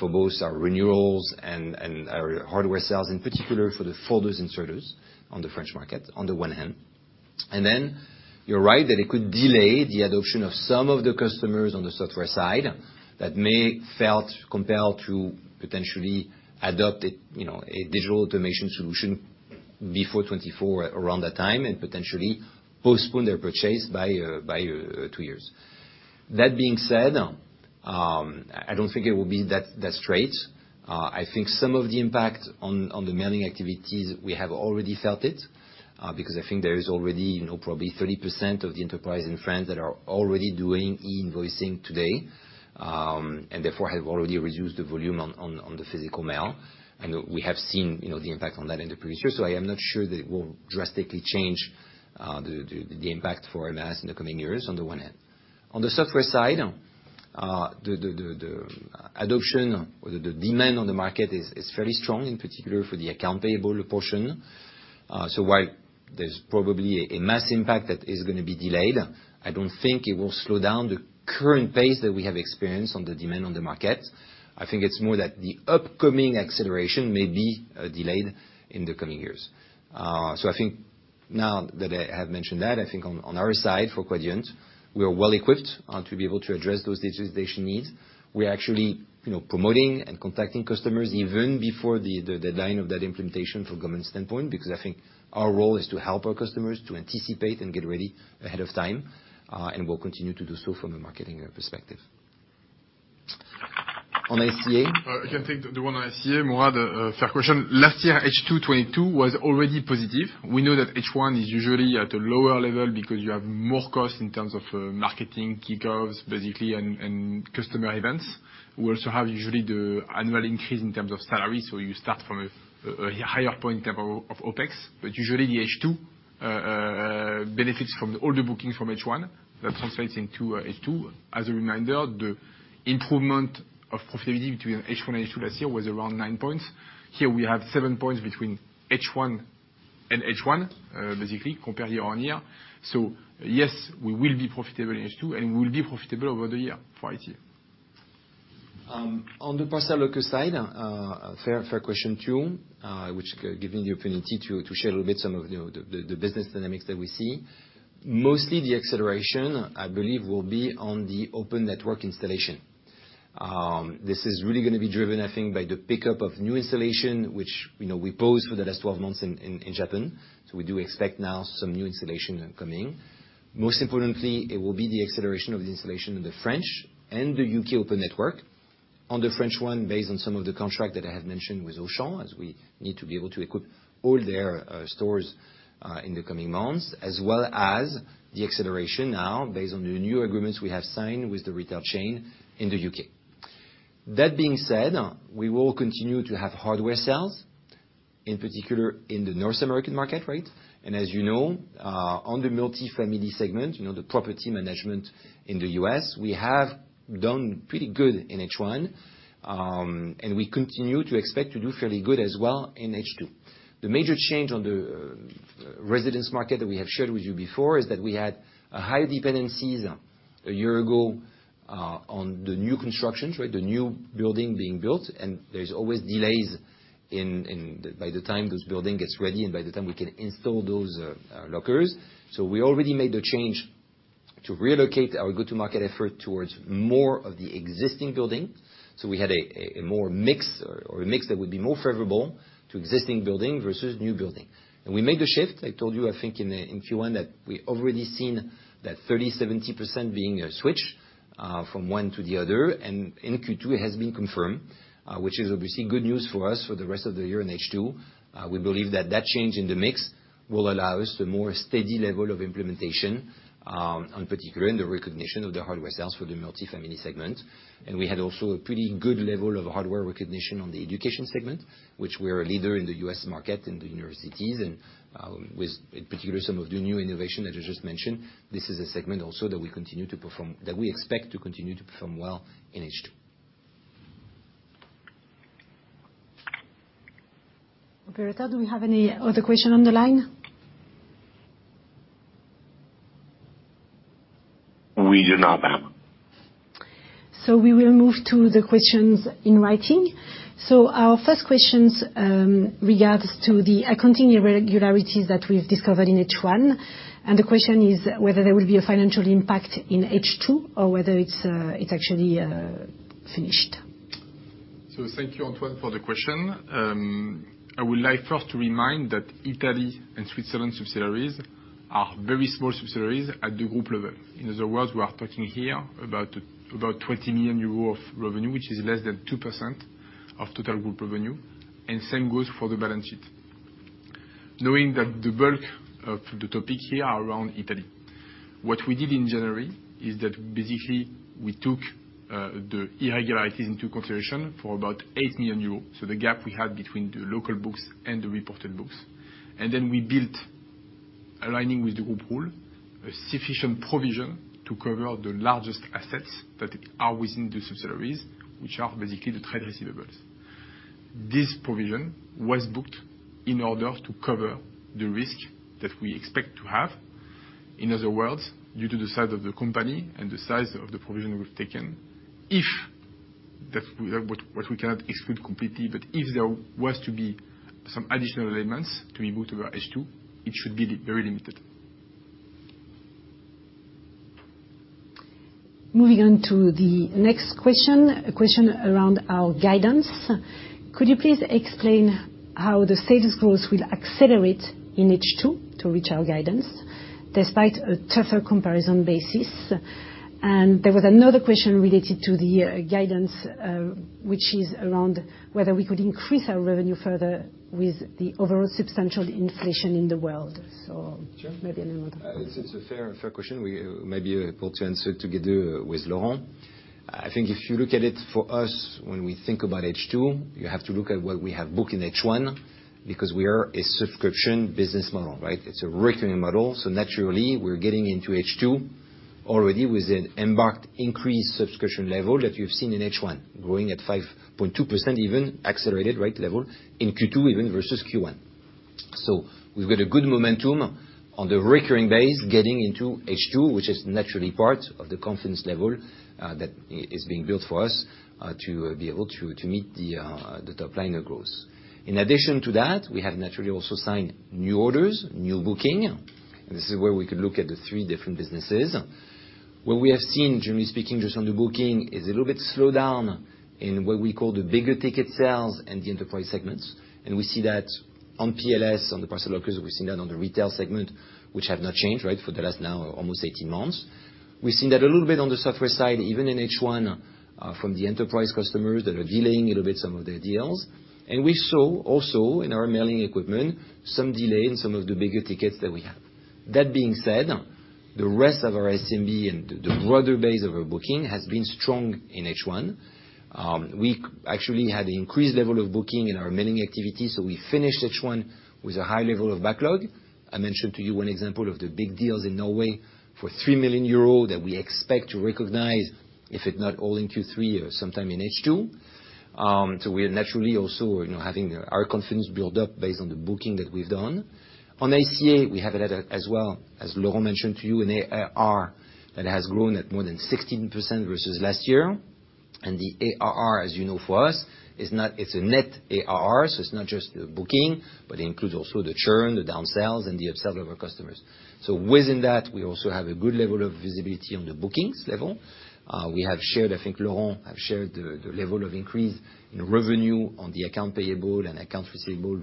for both our renewals and our hardware sales, in particular for the folders and sorters on the French market, on the one hand. Then you're right that it could delay the adoption of some of the customers on the software side that may felt compelled to potentially adopt a, you know, a digital automation solution before 2024, around that time, and potentially postpone their purchase by two years. That being said, I don't think it will be that straight. I think some of the impact on the mailing activities, we have already felt it, because I think there is already, you know, probably 30% of the enterprise in France that are already doing e-invoicing today, and therefore, have already reduced the volume on the physical mail. We have seen, you know, the impact on that in the previous years. So I am not sure that it will drastically change the impact for MRS in the coming years on the one hand. On the software side, the adoption or the demand on the market is fairly strong, in particular for the AR portion. So while there's probably a SaaS impact that is gonna be delayed, I don't think it will slow down the current pace that we have experienced on the demand on the market. I think it's more that the upcoming acceleration may be delayed in the coming years. So I think now that I have mentioned that, I think on our side, for Quadient, we are well equipped to be able to address those digitization needs. We are actually, you know, promoting and contacting customers even before the deadline of that implementation from government standpoint, because I think our role is to help our customers to anticipate and get ready ahead of time, and we'll continue to do so from a marketing perspective. On ICA? I can take the one on ICA, Mourad, fair question. Last year, H2 2022 was already positive. We know that H1 is usually at a lower level because you have more costs in terms of marketing kick-offs, basically, and customer events. We also have usually the annual increase in terms of salary, so you start from a higher point in terms of OpEx. But usually, the H2 benefits from all the bookings from H1. That translates into H2. As a reminder, the improvement of profitability between H1 and H2 last year was around 9 points. Here we have 7 points between H1 and H1, basically, compared year-on-year. So yes, we will be profitable in H2, and we will be profitable over the year for ICA. On the parcel locker side, fair question, too, which giving the opportunity to share a little bit some of the business dynamics that we see. Mostly the acceleration, I believe, will be on the open network installation. This is really gonna be driven, I think, by the pickup of new installation, which, you know, we paused for the last 12 months in Japan, so we do expect now some new installation coming. Most importantly, it will be the acceleration of the installation in the France and the UK open network. On the French one, based on some of the contract that I have mentioned with Auchan, as we need to be able to equip all their stores in the coming months, as well as the acceleration now based on the new agreements we have signed with the retail chain in the UK. That being said, we will continue to have hardware sales, in particular in the North American market, right? And as you know, on the multifamily segment, you know, the property management in the US, we have done pretty good in H1, and we continue to expect to do fairly good as well in H2. The major change on the residence market that we have shared with you before is that we had a high dependencies a year ago-... On the new constructions, right, the new building being built, and there's always delays in, in, by the time this building gets ready, and by the time we can install those lockers. So we already made the change to relocate our go-to-market effort towards more of the existing building, so we had a more mix or a mix that would be more favorable to existing building versus new building. And we made the shift. I told you, I think in Q1, that we've already seen that 30%-70% being switched from one to the other, and in Q2, it has been confirmed, which is obviously good news for us for the rest of the year in H2. We believe that that change in the mix will allow us a more steady level of implementation, in particular in the recognition of the hardware sales for the multifamily segment. We had also a pretty good level of hardware recognition on the education segment, which we are a leader in the U.S. market, in the universities, and with, in particular, some of the new innovation that I just mentioned. This is a segment also that we continue to perform—that we expect to continue to perform well in H2. Operator, do we have any other question on the line? We do not, ma'am. We will move to the questions in writing. Our first questions, in regards to the accounting irregularities that we've discovered in H1, and the question is whether there will be a financial impact in H2 or whether it's actually finished. Thank you, Antoine, for the question. I would like first to remind that Italy and Switzerland subsidiaries are very small subsidiaries at the group level. In other words, we are talking here about 20 million euro of revenue, which is less than 2% of total group revenue, and same goes for the balance sheet. Knowing that the bulk of the topic here are around Italy, what we did in January is that, basically, we took the irregularities into consideration for about 8 million euros, so the gap we had between the local books and the reported books. Then we built, aligning with the group rule, a sufficient provision to cover the largest assets that are within the subsidiaries, which are basically the trade receivables. This provision was booked in order to cover the risk that we expect to have. In other words, due to the size of the company and the size of the provision we've taken, what we cannot exclude completely, but if there was to be some additional elements to be moved over H2, it should be very limited. Moving on to the next question, a question around our guidance. Could you please explain how the sales growth will accelerate in H2 to reach our guidance despite a tougher comparison basis? And there was another question related to the guidance, which is around whether we could increase our revenue further with the overall substantial inflation in the world. So- Sure. Maybe you want to- It's a fair question. We may be able to answer it together with Laurent. I think if you look at it, for us, when we think about H2, you have to look at what we have booked in H1, because we are a subscription business model, right? It's a recurring model, so naturally, we're getting into H2 already with an embarked increased subscription level that you've seen in H1, growing at 5.2% even, accelerated rate level in Q2 even versus Q1. So we've got a good momentum on the recurring base, getting into H2, which is naturally part of the confidence level that is being built for us to be able to meet the top line of growth. In addition to that, we have naturally also signed new orders, new booking, and this is where we could look at the three different businesses. What we have seen, generally speaking, just on the booking, is a little bit slowdown in what we call the bigger ticket sales and the enterprise segments, and we see that on PLS, on the parcel lockers, we've seen that on the retail segment, which have not changed, right, for the last now almost 18 months. We've seen that a little bit on the software side, even in H1, from the enterprise customers that are delaying a little bit some of their deals. We saw also in our mailing equipment, some delay in some of the bigger tickets that we have. That being said, the rest of our SMB and the, the broader base of our booking has been strong in H1. We actually had increased level of booking in our mailing activity, so we finished H1 with a high level of backlog. I mentioned to you one example of the big deals in Norway for 3 million euros that we expect to recognize, if not all in Q3 or sometime in H2. So we are naturally also, you know, having our confidence build up based on the booking that we've done. On ICA, we have it at a... As well, as Laurent mentioned to you, an ARR that has grown at more than 16% versus last year, and the ARR, as you know for us, is not, it's a net ARR, so it's not just the booking, but it includes also the churn, the downsells, and the upsell of our customers. So within that, we also have a good level of visibility on the bookings level. We have shared, I think Laurent has shared the level of increase in revenue on the account payable and account receivable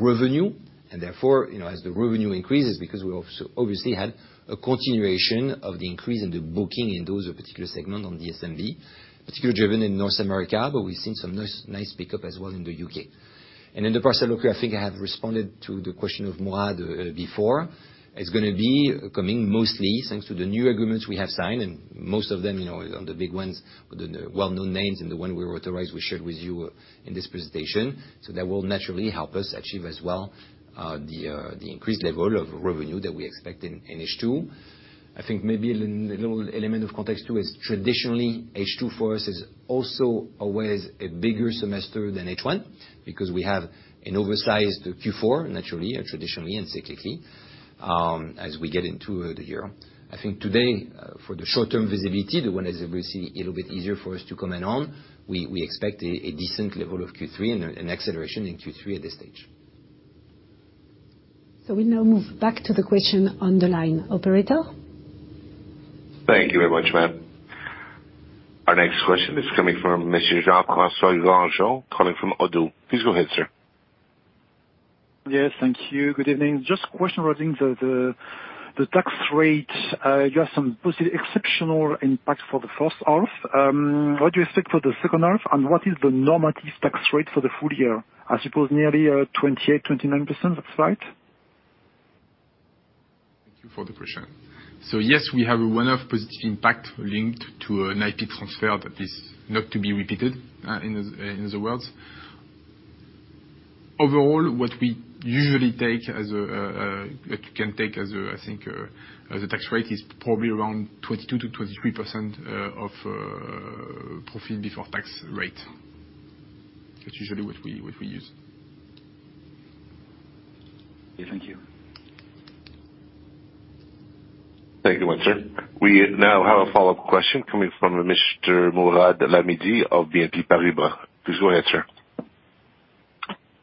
revenue. Therefore, you know, as the revenue increases, because we also obviously had a continuation of the increase in the booking in those particular segments on the SMB, particularly driven in North America, but we've seen some nice, nice pick up as well in the U.K. In the parcel locker, I think I have responded to the question of Mourad before. It's going to be coming mostly thanks to the new agreements we have signed, and most of them, you know, on the big ones, with the well-known names and the ones we're authorized, we shared with you in this presentation. That will naturally help us achieve as well the increased level of revenue that we expect in H2. I think maybe a little element of context, too, is traditionally, H2 for us is also always a bigger semester than H1, because we have an oversized Q4, naturally, traditionally and cyclically, as we get into the year. I think today, for the short-term visibility, the one that is obviously a little bit easier for us to comment on, we expect a decent level of Q3 and an acceleration in Q3 at this stage. ... So we now move back to the question on the line. Operator? Thank you very much, ma'am. Our next question is coming from Mr. Jean-François Granjon, calling from Oddo. Please go ahead, sir. Yes, thank you. Good evening. Just a question regarding the tax rate. You have some positive exceptional impact for the first half. What do you expect for the second half, and what is the normative tax rate for the full year? I suppose nearly 28-29%. That's right? Thank you for the question. So yes, we have a one-off positive impact linked to an IP transfer that is not to be repeated, in other words. Overall, what we usually take as a that we can take as a, I think, as a tax rate, is probably around 22%-23%, of, profit before tax rate. That's usually what we use. Thank you. Thank you very much, sir. We now have a follow-up question coming from Mr. Mourad Lahmidi of BNP Paribas. Please go ahead, sir.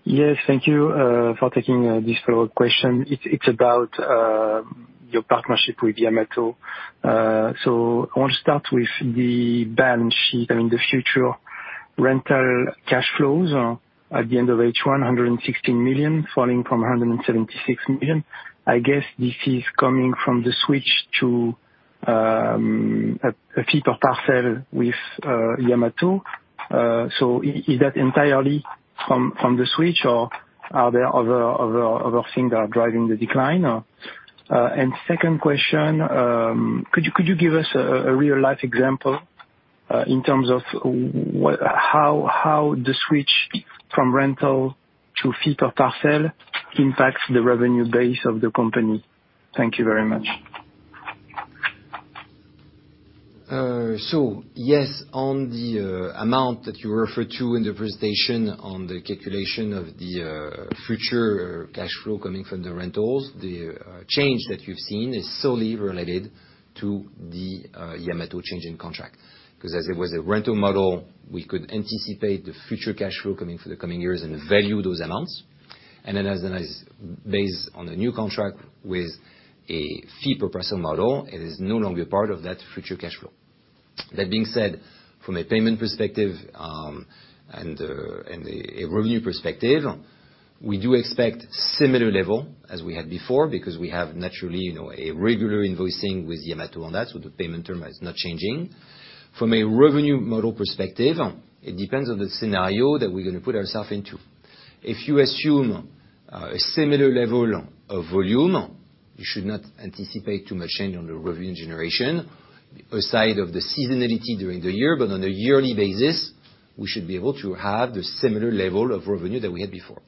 Yes, thank you for taking this follow-up question. It's about your partnership with Yamato. So I want to start with the balance sheet and the future rental cash flows at the end of H1, 116 million, falling from 176 million. I guess this is coming from the switch to a fee per parcel with Yamato. So is that entirely from the switch, or are there other things that are driving the decline? And second question, could you give us a real-life example in terms of what, how the switch from rental to fee per parcel impacts the revenue base of the company? Thank you very much. So yes, on the amount that you referred to in the presentation on the calculation of the future cash flow coming from the rentals, the change that you've seen is solely related to the Yamato change in contract. Because as it was a rental model, we could anticipate the future cash flow coming for the coming years and value those amounts. And then based on the new contract with a fee per parcel model, it is no longer part of that future cash flow. That being said, from a payment perspective and a revenue perspective, we do expect similar level as we had before, because we have naturally, you know, a regular invoicing with Yamato on that, so the payment term is not changing. From a revenue model perspective, it depends on the scenario that we're gonna put ourself into. If you assume a similar level of volume, you should not anticipate too much change on the revenue generation aside of the seasonality during the year, but on a yearly basis, we should be able to have the similar level of revenue that we had before.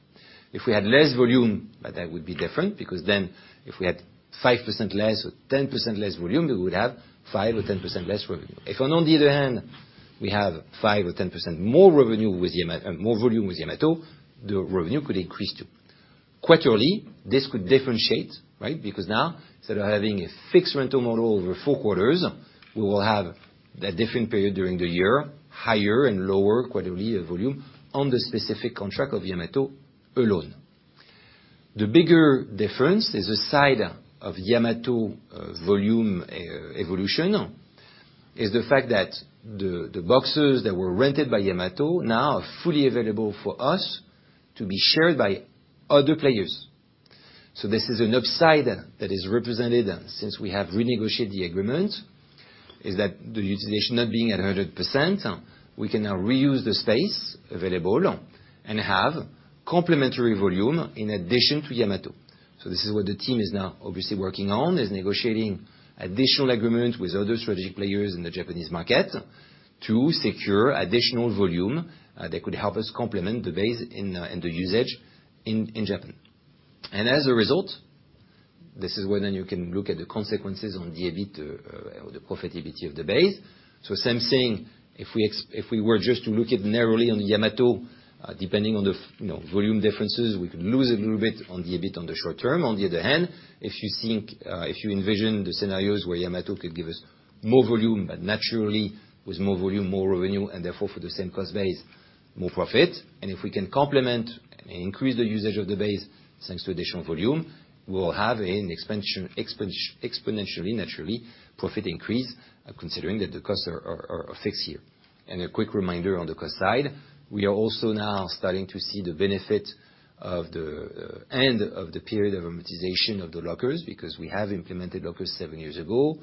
If we had less volume, that would be different, because then if we had 5% less or 10% less volume, we would have 5% or 10% less revenue. If on the other hand, we have 5% or 10% more revenue with Yamato, more volume with Yamato, the revenue could increase, too. Quarterly, this could differentiate, right? Because now, instead of having a fixed rental model over four quarters, we will have a different period during the year, higher and lower quarterly volume on the specific contract of Yamato alone. The bigger difference is the side of Yamato, volume evolution, is the fact that the boxes that were rented by Yamato now are fully available for us to be shared by other players. So this is an upside that is represented since we have renegotiated the agreement, is that the utilization not being at 100%, we can now reuse the space available and have complementary volume in addition to Yamato. So this is what the team is now obviously working on, is negotiating additional agreements with other strategic players in the Japanese market to secure additional volume, that could help us complement the base in the usage in Japan. As a result, this is where then you can look at the consequences on the EBIT or the profitability of the base. Same thing, if we were just to look at narrowly on Yamato, depending on the you know, volume differences, we could lose a little bit on the EBIT on the short term. On the other hand, if you think, if you envision the scenarios where Yamato could give us more volume, but naturally, with more volume, more revenue, and therefore, for the same cost base, more profit. If we can complement and increase the usage of the base since the additional volume, we will have an expansion, exponentially, naturally, profit increase, considering that the costs are fixed here. A quick reminder on the cost side, we are also now starting to see the benefit of the end of the period of amortization of the lockers, because we have implemented lockers seven years ago.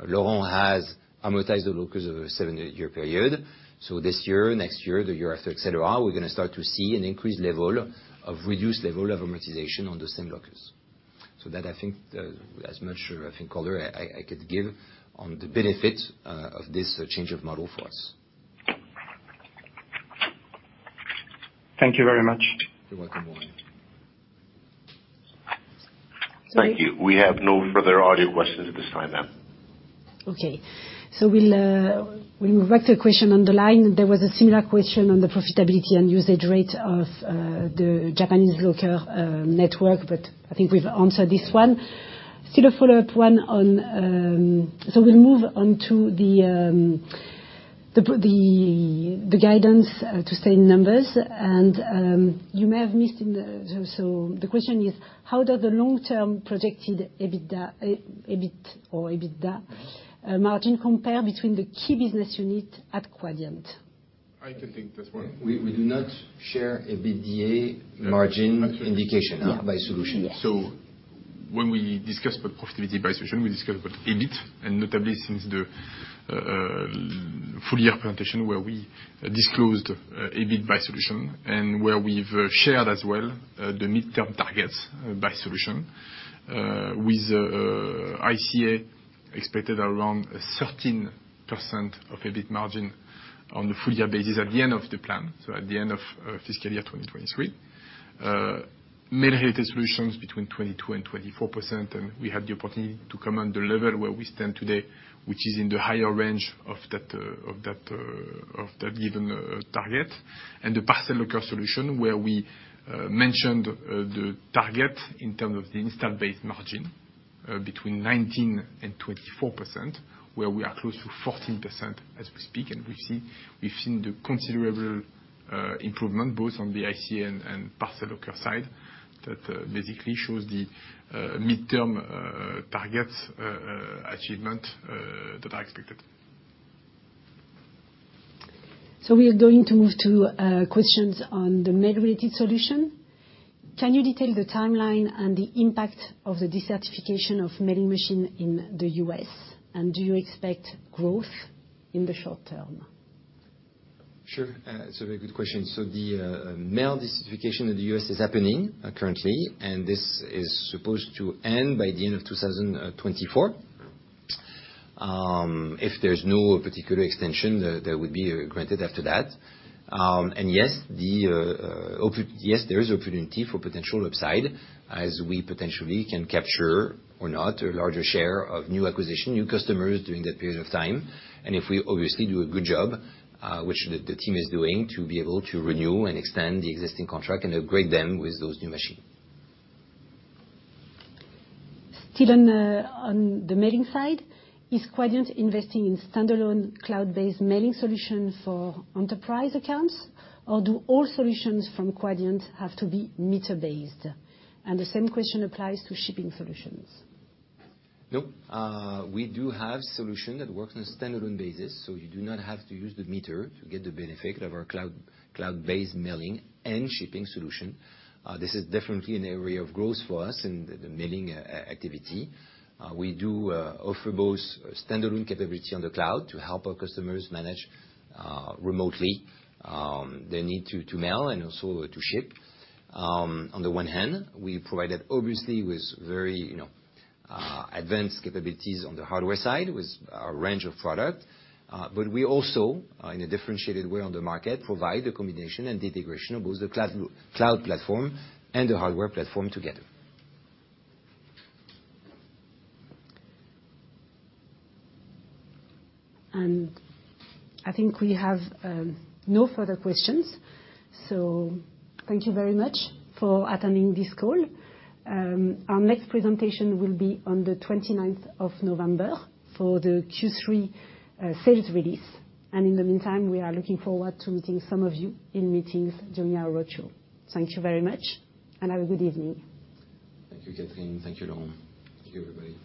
Laurent has amortized the lockers over a seven-year period, so this year, next year, the year after, et cetera, we're going to start to see an increased level of reduced level of amortization on the same lockers. So that I think, as much, I think, color I could give on the benefit, of this change of model for us. Thank you very much. You're welcome, Mourad. Thank you. We have no further audio questions at this time, ma'am. Okay. So we'll move back to the question on the line. There was a similar question on the profitability and usage rate of the Japanese locker network, but I think we've answered this one. Still a follow-up one on... So we'll move on to the guidance, to say numbers, and you may have missed in the—so, the question is: How does the long-term projected EBITDA, EBIT or EBITDA, margin compare between the key business unit at Quadient? I can take this one. We do not share EBITDA margin- Actually. -indication, by solution. So when we discuss about profitability by solution, we discuss about EBIT, and notably, since the full year presentation, where we disclosed EBIT by solution, and where we've shared as well the midterm targets by solution. With ICA expected around 13% EBIT margin on the full year basis at the end of the plan, so at the end of fiscal year 2023. mailing solutions between 22%-24%, and we had the opportunity to come on the level where we stand today, which is in the higher range of that given target. And the parcel locker solution, where we mentioned the target in terms of the installed base margin between 19% and 24%, where we are close to 14% as we speak, and we've seen, we've seen the considerable improvement both on the ICA and parcel locker side, that basically shows the midterm targets achievement that are expected. So we are going to move to questions on the mailing-related solution. Can you detail the timeline and the impact of the decertification of mailing machine in the U.S., and do you expect growth in the short term? Sure. It's a very good question. So the mail decertification in the U.S. is happening currently, and this is supposed to end by the end of 2024. If there's no particular extension that would be granted after that. And yes, there is opportunity for potential upside as we potentially can capture or not a larger share of new acquisition, new customers during that period of time. And if we obviously do a good job, which the team is doing, to be able to renew and extend the existing contract and upgrade them with those new machine. Still on the mailing side, is Quadient investing in standalone cloud-based mailing solution for enterprise accounts, or do all solutions from Quadient have to be meter-based? And the same question applies to shipping solutions. Nope. We do have solution that works on a standalone basis, so you do not have to use the meter to get the benefit of our cloud, cloud-based mailing and shipping solution. This is definitely an area of growth for us in the mailing activity. We do offer both standalone capability on the cloud to help our customers manage remotely the need to mail and also to ship. On the one hand, we provide it obviously with very, you know, advanced capabilities on the hardware side, with a range of product. But we also in a differentiated way on the market provide a combination and the integration of both the cloud platform and the hardware platform together. I think we have no further questions, so thank you very much for attending this call. Our next presentation will be on the twenty-ninth of November for the Q3 sales release, and in the meantime, we are looking forward to meeting some of you in meetings during our roadshow. Thank you very much, and have a good evening. Thank you, Catherine. Thank you, Laurent. Thank you, everybody.